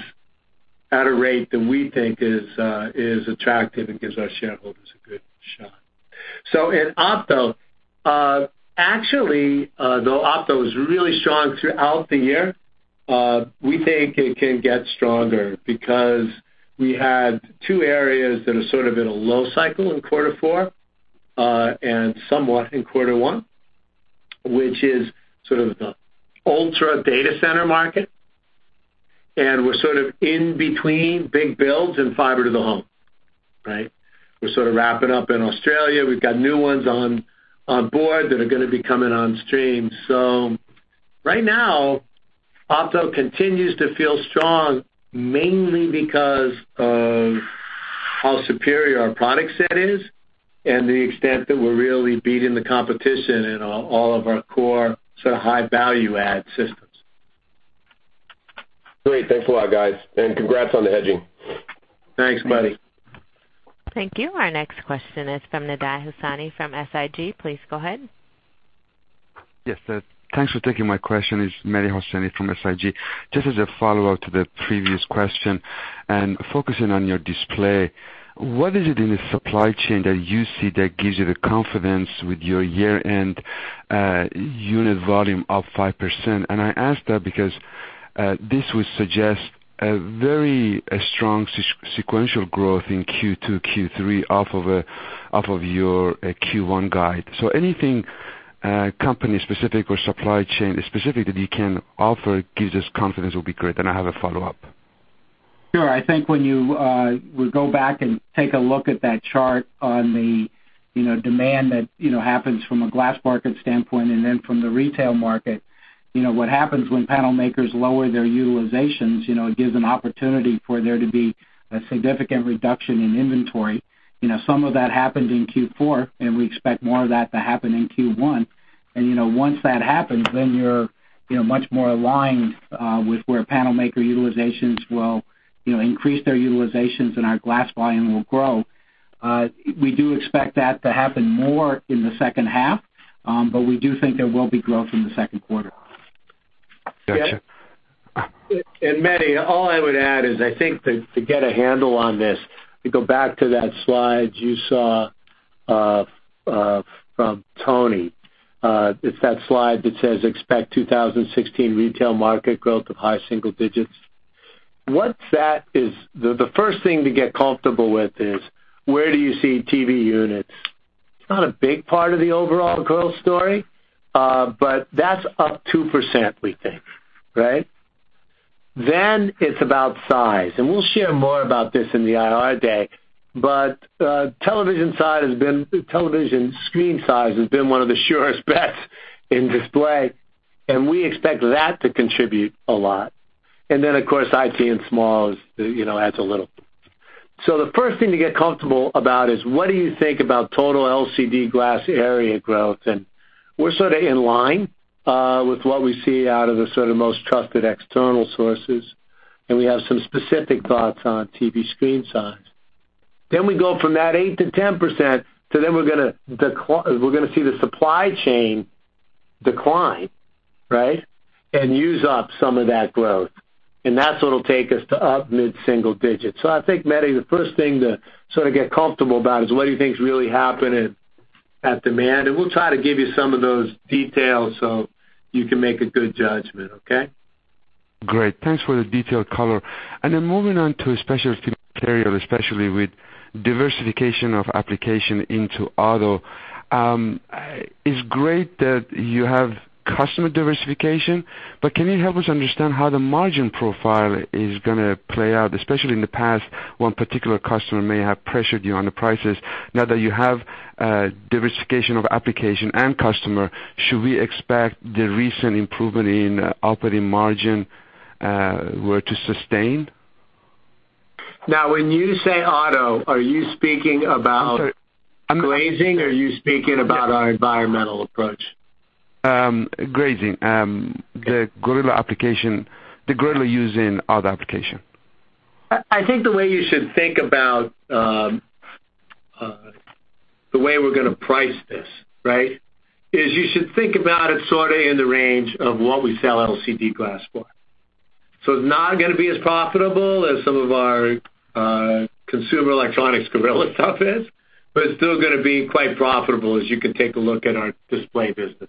at a rate that we think is attractive and gives our shareholders a good shot. In opto, actually, though opto is really strong throughout the year, we think it can get stronger because we had two areas that are sort of in a low cycle in quarter four, and somewhat in quarter one, which is sort of the ultra data center market, and we're sort of in between big builds and fiber to the home. Right? We're sort of wrapping up in Australia. We've got new ones on board that are going to be coming on stream. Right now, opto continues to feel strong, mainly because of how superior our product set is and the extent that we're really beating the competition in all of our core sort of high value add systems. Great. Thanks a lot, guys. Congrats on the hedging. Thanks, buddy. Thank you. Our next question is from Mehdi Hosseini from SIG. Please go ahead. Yes. Thanks for taking my question. It's Mehdi Hosseini from SIG. Just as a follow-up to the previous question and focusing on your display, what is it in the supply chain that you see that gives you the confidence with your year-end unit volume up 5%? I ask that because this would suggest a very strong sequential growth in Q2, Q3 off of your Q1 guide. Anything company specific or supply chain specific that you can offer gives us confidence will be great. I have a follow-up. Sure. I think when you would go back and take a look at that chart on the demand that happens from a glass market standpoint and then from the retail market, what happens when panel makers lower their utilizations, it gives an opportunity for there to be a significant reduction in inventory. Some of that happened in Q4. We expect more of that to happen in Q1. Once that happens, then you're much more aligned with where panel maker utilizations will increase their utilizations and our glass volume will grow. We do expect that to happen more in the second half, but we do think there will be growth in the second quarter. Got you. Mehdi, all I would add is I think to get a handle on this, to go back to that slide you saw from Tony. It's that slide that says, "Expect 2016 retail market growth of high single digits." The first thing to get comfortable with is, where do you see TV units? It's not a big part of the overall growth story, but that's up 2%, we think. Right? It's about size, and we'll share more about this in the IR day, but television screen size has been one of the surest bets in display, and we expect that to contribute a lot. Of course, IT and smalls adds a little. The first thing to get comfortable about is what do you think about total LCD glass area growth? We're sort of in line with what we see out of the sort of most trusted external sources, and we have some specific thoughts on TV screen size. We go from that 8%-10%, to then we're going to see the supply chain decline, right? Use up some of that growth, and that's what'll take us to up mid-single digits. I think, Mehdi, the first thing to sort of get comfortable about is what do you think is really happening at demand. We'll try to give you some of those details so you can make a good judgment. Okay? Great. Thanks for the detailed color. Moving on to Specialty Materials, especially with diversification of application into auto. It's great that you have customer diversification, but can you help us understand how the margin profile is going to play out? Especially in the past, one particular customer may have pressured you on the prices. Now that you have diversification of application and customer, should we expect the recent improvement in operating margin were to sustain? When you say auto, are you speaking about glazing or are you speaking about our Environmental Technologies approach? Glazing. The Gorilla application, the Gorilla use in auto application. I think the way you should think about the way we're going to price this, right? It's not going to be as profitable as some of our consumer electronics Gorilla stuff is, but it's still going to be quite profitable, as you can take a look at our Display business.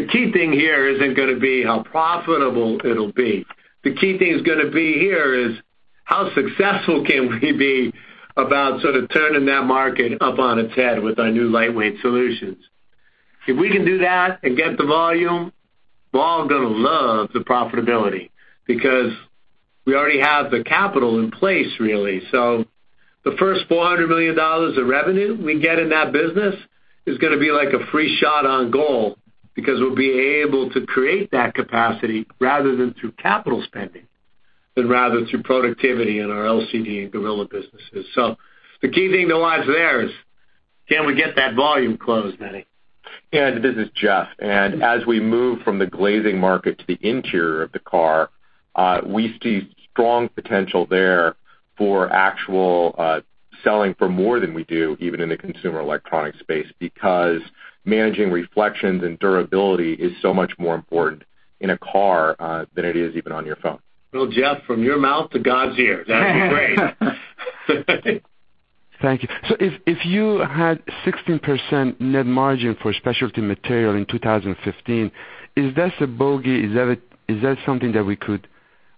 The key thing here isn't going to be how profitable it'll be. The key thing is going to be here is how successful can we be about sort of turning that market up on its head with our new lightweight solutions. If we can do that and get the volume, we're all going to love the profitability because we already have the capital in place, really. The first $400 million of revenue we get in that business is going to be like a free shot on goal because we'll be able to create that capacity rather than through capital spending, than rather through productivity in our LCD and Gorilla businesses. The key thing that lies there is, can we get that volume closed, Mehdi? Yeah, this is Jeff. As we move from the glazing market to the interior of the car, we see strong potential there for actual selling for more than we do even in the consumer electronics space, because managing reflections and durability is so much more important in a car than it is even on your phone. Well, Jeff, from your mouth to God's ears. That'd be great. Thank you. If you had 16% net margin for Specialty Materials in 2015, is this a bogey? Is that something that we could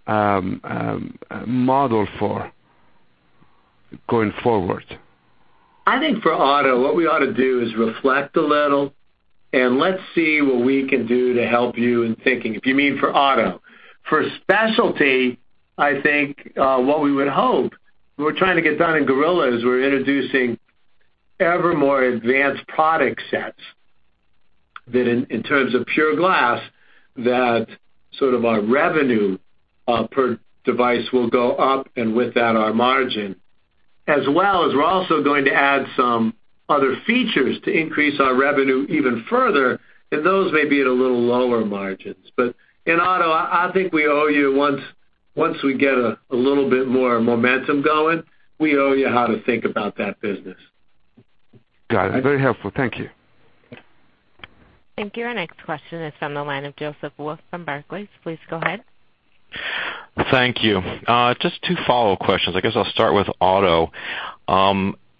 model for going forward? I think for auto, what we ought to do is reflect a little and let's see what we can do to help you in thinking, if you mean for auto. For specialty, I think what we would hope, what we're trying to get done in Gorilla is we're introducing ever more advanced product sets that in terms of pure glass, that sort of our revenue per device will go up, and with that, our margin. As well as we're also going to add some other features to increase our revenue even further, and those may be at a little lower margins. In auto, I think we owe you. Once we get a little bit more momentum going, we owe you how to think about that business. Got it. Very helpful. Thank you. Thank you. Our next question is from the line of Joseph Wolf from Barclays. Please go ahead. Thank you. Just two follow-up questions. I guess I'll start with auto.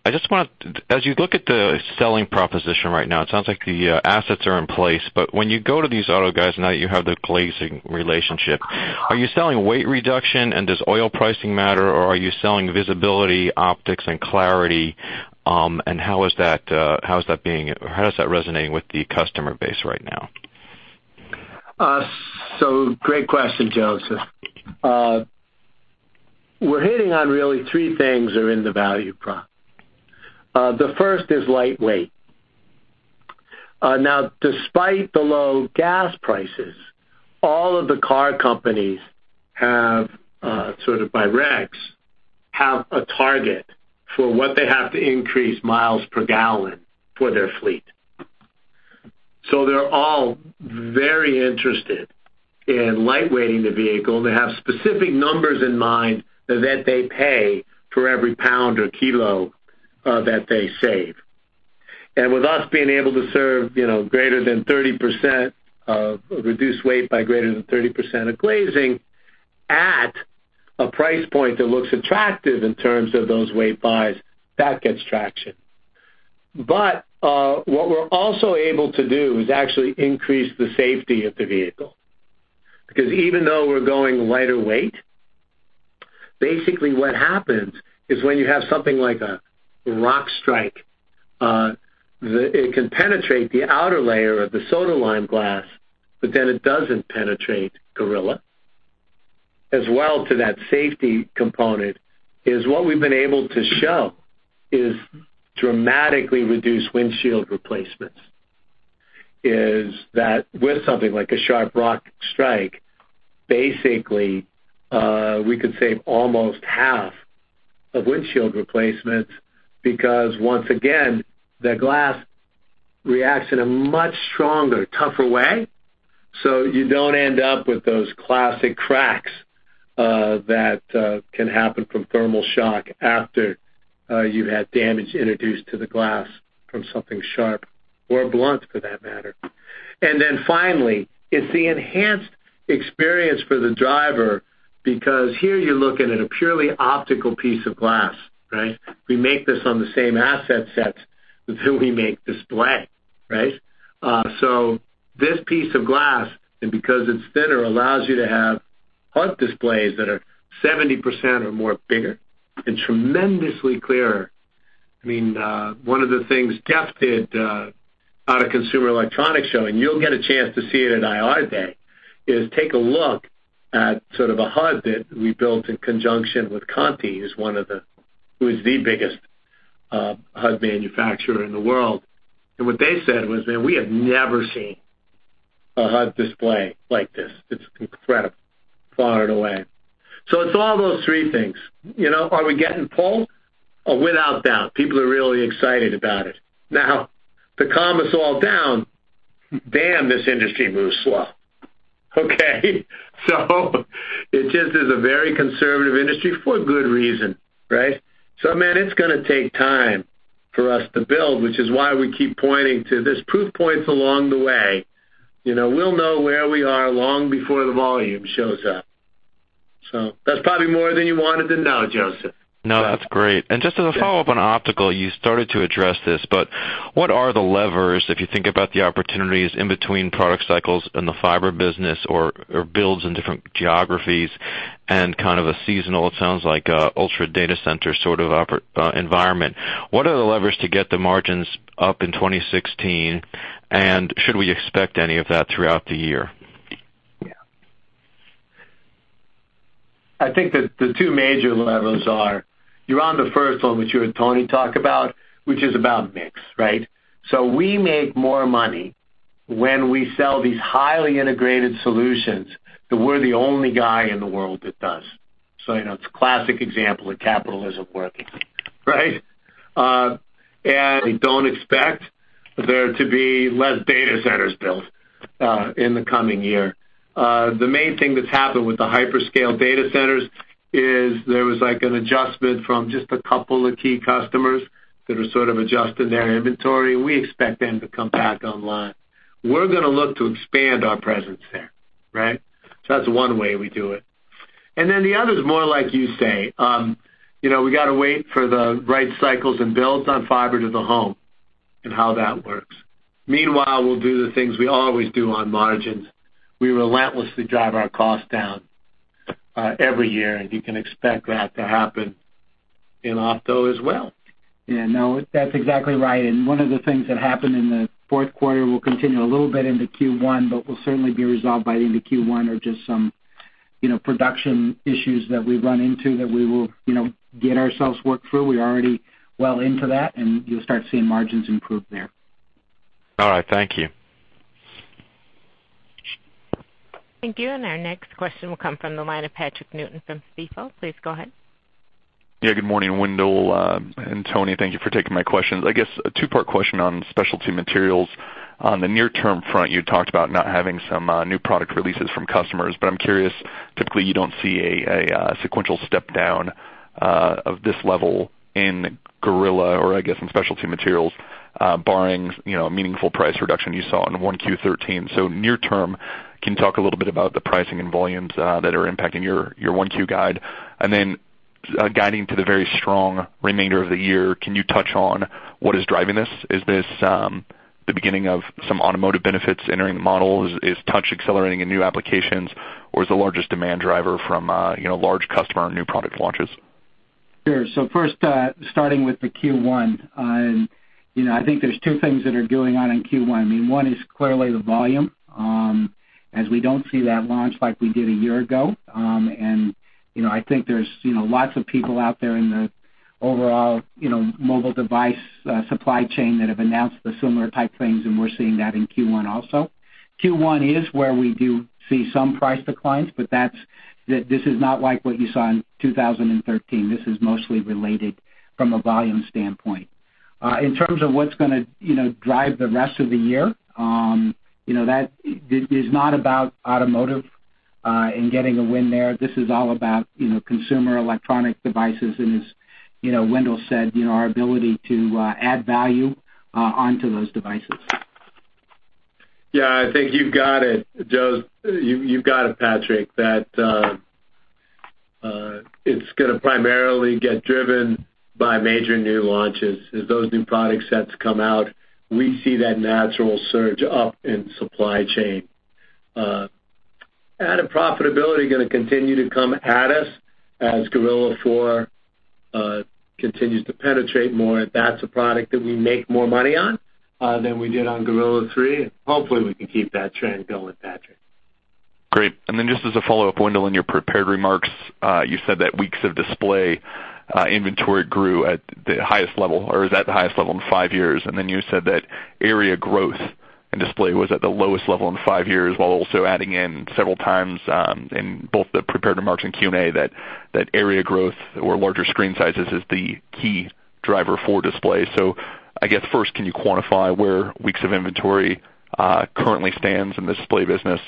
As you look at the selling proposition right now, it sounds like the assets are in place, but when you go to these auto guys, now that you have the glazing relationship, are you selling weight reduction and does oil pricing matter, or are you selling visibility, optics, and clarity? How is that resonating with the customer base right now? Great question, Joseph. We're hitting on really three things are in the value prop. The first is lightweight. Now, despite the low gas prices, all of the car companies, sort of by regs, have a target for what they have to increase miles per gallon for their fleet. They're all very interested in lightweighting the vehicle, and they have specific numbers in mind that they pay for every pound or kilo that they save. With us being able to serve reduced weight by greater than 30% of glazing at a price point that looks attractive in terms of those weight buys, that gets traction. What we're also able to do is actually increase the safety of the vehicle. Because even though we're going lighter weight, basically what happens is when you have something like a rock strike, it can penetrate the outer layer of the soda lime glass, but then it doesn't penetrate Gorilla. As well to that safety component is what we've been able to show is dramatically reduced windshield replacements. Is that with something like a sharp rock strike, basically, we could save almost half of windshield replacements because once again, the glass reacts in a much stronger, tougher way, so you don't end up with those classic cracks that can happen from thermal shock after you've had damage introduced to the glass from something sharp or blunt for that matter. Finally, it's the enhanced experience for the driver because here you're looking at a purely optical piece of glass, right? We make this on the same asset sets as we make display, right? This piece of glass, because it's thinner, allows you to have HUD displays that are 70% or more bigger and tremendously clearer. One of the things Ford did at a Consumer Electronics Show, and you'll get a chance to see it at IR day, is take a look at sort of a HUD that we built in conjunction with Continental, who is the biggest HUD manufacturer in the world. What they said was, "Man, we have never seen a HUD display like this. It's incredible. Far and away." It's all those three things. Are we getting pulled? Without doubt. People are really excited about it. To calm us all down, damn, this industry moves slow. Okay. It just is a very conservative industry for good reason, right? Man, it's going to take time for us to build, which is why we keep pointing to these proof points along the way. We'll know where we are long before the volume shows up. That's probably more than you wanted to know, Joseph. No, that's great. Just as a follow-up on optical, you started to address this, but what are the levers, if you think about the opportunities in between product cycles in the fiber business or builds in different geographies and kind of a seasonal, it sounds like, ultra data center sort of environment. What are the levers to get the margins up in 2016, and should we expect any of that throughout the year? Yeah. I think that the two major levers are, you're on the first one, which you heard Tony talk about, which is about mix, right? We make more money when we sell these highly integrated solutions that we're the only guy in the world that does. It's a classic example of capitalism working, right? We don't expect there to be less data centers built in the coming year. The main thing that's happened with the hyperscale data centers is there was an adjustment from just a couple of key customers that are sort of adjusting their inventory. We expect them to come back online. We're going to look to expand our presence there, right? That's one way we do it. Then the other is more like you say. We got to wait for the right cycles and builds on fiber to the home and how that works. Meanwhile, we'll do the things we always do on margins. We relentlessly drive our costs down every year, and you can expect that to happen in opto as well. Yeah, no, that's exactly right. One of the things that happened in the fourth quarter will continue a little bit into Q1, but will certainly be resolved by the end of Q1, are just some production issues that we've run into that we will get ourselves worked through. We're already well into that, and you'll start seeing margins improve there. All right. Thank you. Thank you. Our next question will come from the line of Patrick Newton from BMO. Please go ahead. Yeah. Good morning, Wendell and Tony. Thank you for taking my questions. I guess a two-part question on Specialty Materials. On the near-term front, you had talked about not having some new product releases from customers, but I'm curious, typically you don't see a sequential step-down of this level in Gorilla Glass or I guess in Specialty Materials barring a meaningful price reduction you saw in 1Q 2013. Near term, can you talk a little bit about the pricing and volumes that are impacting your 1Q guide? Then guiding to the very strong remainder of the year, can you touch on what is driving this? Is this the beginning of some automotive benefits entering the model? Is touch accelerating in new applications? Or is the largest demand driver from a large customer and new product launches? Sure. First starting with the Q1. I think there's two things that are going on in Q1. One is clearly the volume, as we don't see that launch like we did a year ago. I think there's lots of people out there in the overall mobile device supply chain that have announced the similar type things, and we're seeing that in Q1 also. Q1 is where we do see some price declines, but this is not like what you saw in 2013. This is mostly related from a volume standpoint. In terms of what's going to drive the rest of the year, that is not about automotive and getting a win there. This is all about consumer electronic devices and as Wendell said, our ability to add value onto those devices. Yeah, I think you've got it, Patrick, that it's going to primarily get driven by major new launches. As those new product sets come out, we see that natural surge up in supply chain. Added profitability going to continue to come at us as Gorilla Glass 4 continues to penetrate more. That's a product that we make more money on than we did on Gorilla Glass 3. Hopefully, we can keep that trend going, Patrick. Great. Then just as a follow-up, Wendell, in your prepared remarks, you said that weeks of Display inventory grew at the highest level or is at the highest level in five years. Then you said that area growth in Display was at the lowest level in five years, while also adding in several times in both the prepared remarks and Q&A that area growth or larger screen sizes is the key driver for Display. I guess first, can you quantify where weeks of inventory currently stands in the Display business?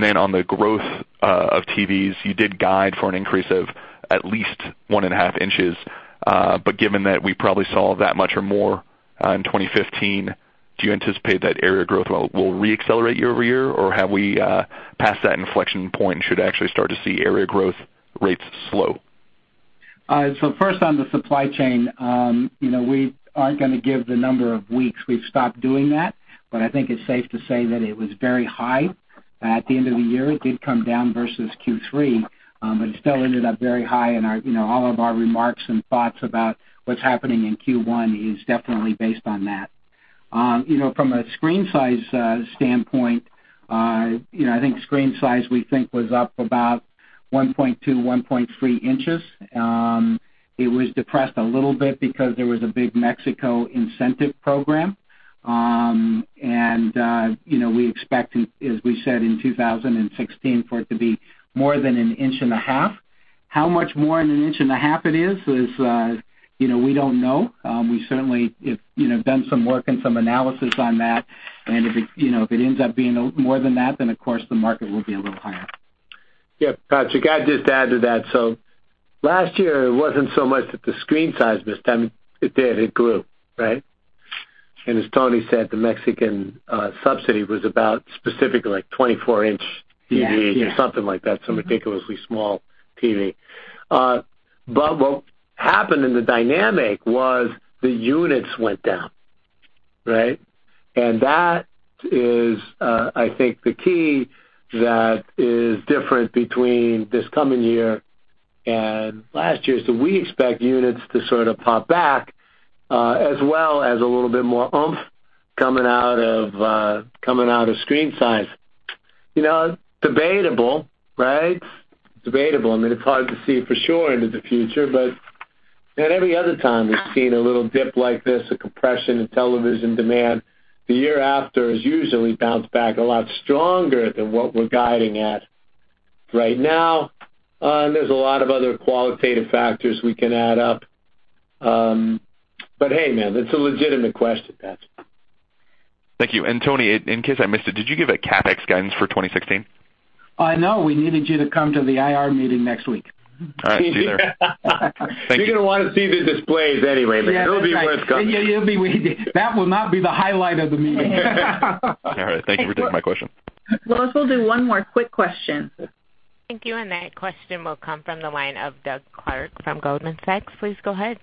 Then on the growth of TVs, you did guide for an increase of at least one and a half inches. But given that we probably saw that much or more in 2015, do you anticipate that area growth will re-accelerate year-over-year? Have we passed that inflection point and should actually start to see area growth rates slow? First on the supply chain, we aren't going to give the number of weeks. We've stopped doing that, but I think it's safe to say that it was very high at the end of the year. It did come down versus Q3, but it still ended up very high and all of our remarks and thoughts about what's happening in Q1 is definitely based on that. From a screen size standpoint, I think screen size we think was up about 1.2, 1.3 inches. It was depressed a little bit because there was a big Mexico incentive program. We expect, as we said in 2016, for it to be more than an inch and a half. How much more than an inch and a half it is, we don't know. We certainly have done some work and some analysis on that, and if it ends up being more than that, then of course the market will be a little higher. Yeah, Patrick, I'd just add to that. Last year it wasn't so much that the screen size, I mean, it did, it grew, right? As Tony said, the Mexican subsidy was about specifically like 24-inch TVs- Yeah or something like that, so meticulously small TV. What happened in the dynamic was the units went down, right? That is I think the key that is different between this coming year and last year. We expect units to sort of pop back as well as a little bit more oomph coming out of screen size. Debatable, right? Debatable. I mean, it's hard to see for sure into the future, but at every other time we've seen a little dip like this, a compression in television demand, the year after is usually bounced back a lot stronger than what we're guiding at right now, and there's a lot of other qualitative factors we can add up. Hey, man, that's a legitimate question, Patrick. Thank you. Tony, in case I missed it, did you give a CapEx guidance for 2016? No, we needed you to come to the IR meeting next week. All right. See you there. Thank you. You're going to want to see the displays anyway. It'll be worth coming. Yeah, you'll be waiting. That will not be the highlight of the meeting. All right. Thank you for taking my question. We'll also do one more quick question. Thank you. That question will come from the line of Doug Clark from Goldman Sachs. Please go ahead.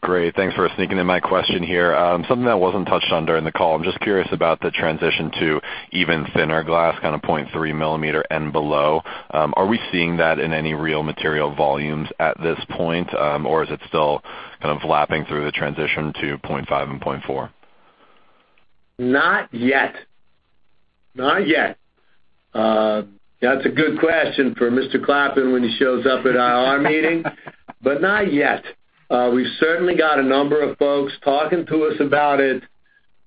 Great. Thanks for sneaking in my question here. Something that wasn't touched on during the call, I'm just curious about the transition to even thinner glass, kind of 0.3 millimeter and below. Are we seeing that in any real material volumes at this point? Is it still kind of lapping through the transition to 0.5 and 0.4? Not yet. That's a good question for Mr.Clappin when he shows up at our IR meeting, not yet. We've certainly got a number of folks talking to us about it.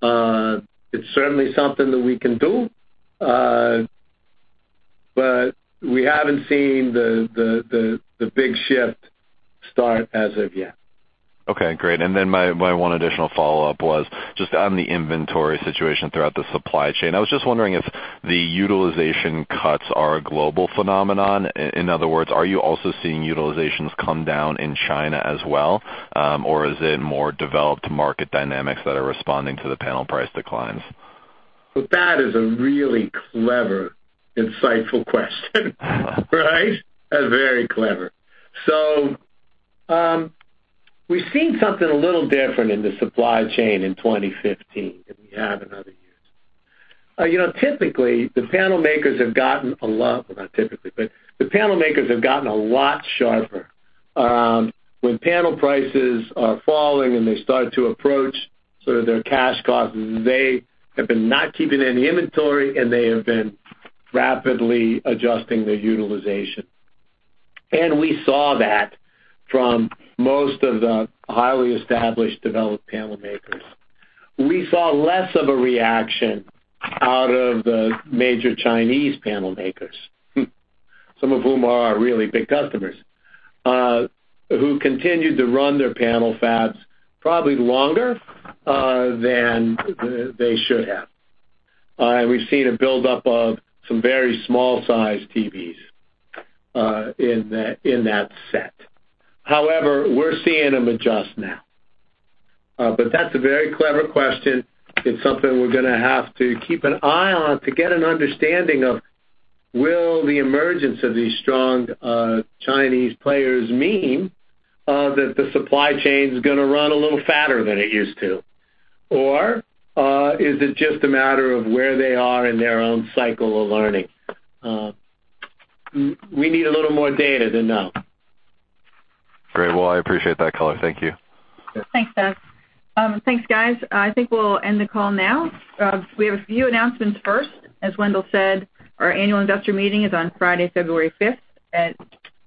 It's certainly something that we can do. We haven't seen the big shift start as of yet. Okay, great. Then my one additional follow-up was just on the inventory situation throughout the supply chain. I was just wondering if the utilization cuts are a global phenomenon. In other words, are you also seeing utilizations come down in China as well? Is it more developed market dynamics that are responding to the panel price declines? That is a really clever, insightful question. Right? Very clever. We've seen something a little different in the supply chain in 2015 than we have in other years. Typically, the panel makers have gotten a lot sharper. When panel prices are falling and they start to approach sort of their cash costs, they have been not keeping any inventory, and they have been rapidly adjusting their utilization. We saw that from most of the highly established, developed panel makers. We saw less of a reaction out of the major Chinese panel makers, some of whom are our really big customers, who continued to run their panel fabs probably longer than they should have. We've seen a buildup of some very small-sized TVs in that set. However, we're seeing them adjust now. That's a very clever question. It's something we're going to have to keep an eye on to get an understanding of will the emergence of these strong Chinese players mean that the supply chain's going to run a little fatter than it used to? Is it just a matter of where they are in their own cycle of learning? We need a little more data to know. Great. Well, I appreciate that, Corning. Thank you. Thanks, Doug. Thanks, guys. I think we'll end the call now. We have a few announcements first. As Wendell said, our annual investor meeting is on Friday, February 5th at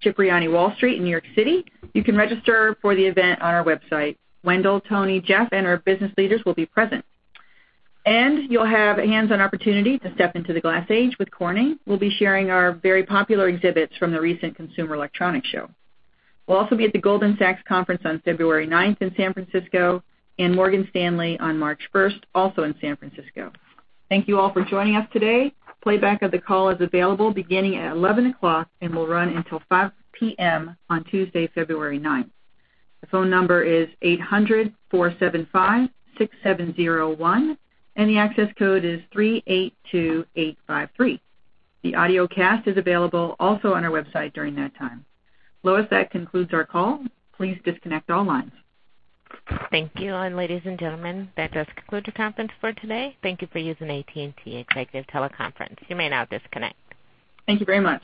Cipriani Wall Street in New York City. You can register for the event on our website. Wendell, Tony, Jeff, and our business leaders will be present. You'll have a hands-on opportunity to step into The Glass Age with Corning. We'll be sharing our very popular exhibits from the recent Consumer Electronics Show. We'll also be at the Goldman Sachs conference on February 9th in San Francisco and Morgan Stanley on March 1st, also in San Francisco. Thank you all for joining us today. Playback of the call is available beginning at 11:00 A.M. and will run until 5:00 P.M. on Tuesday, February 9th. The phone number is 800-475-6701, and the access code is 382853. The audiocast is available also on our website during that time. Lois, that concludes our call. Please disconnect all lines. Thank you. Ladies and gentlemen, that does conclude your conference for today. Thank you for using AT&T Executive Teleconference. You may now disconnect. Thank you very much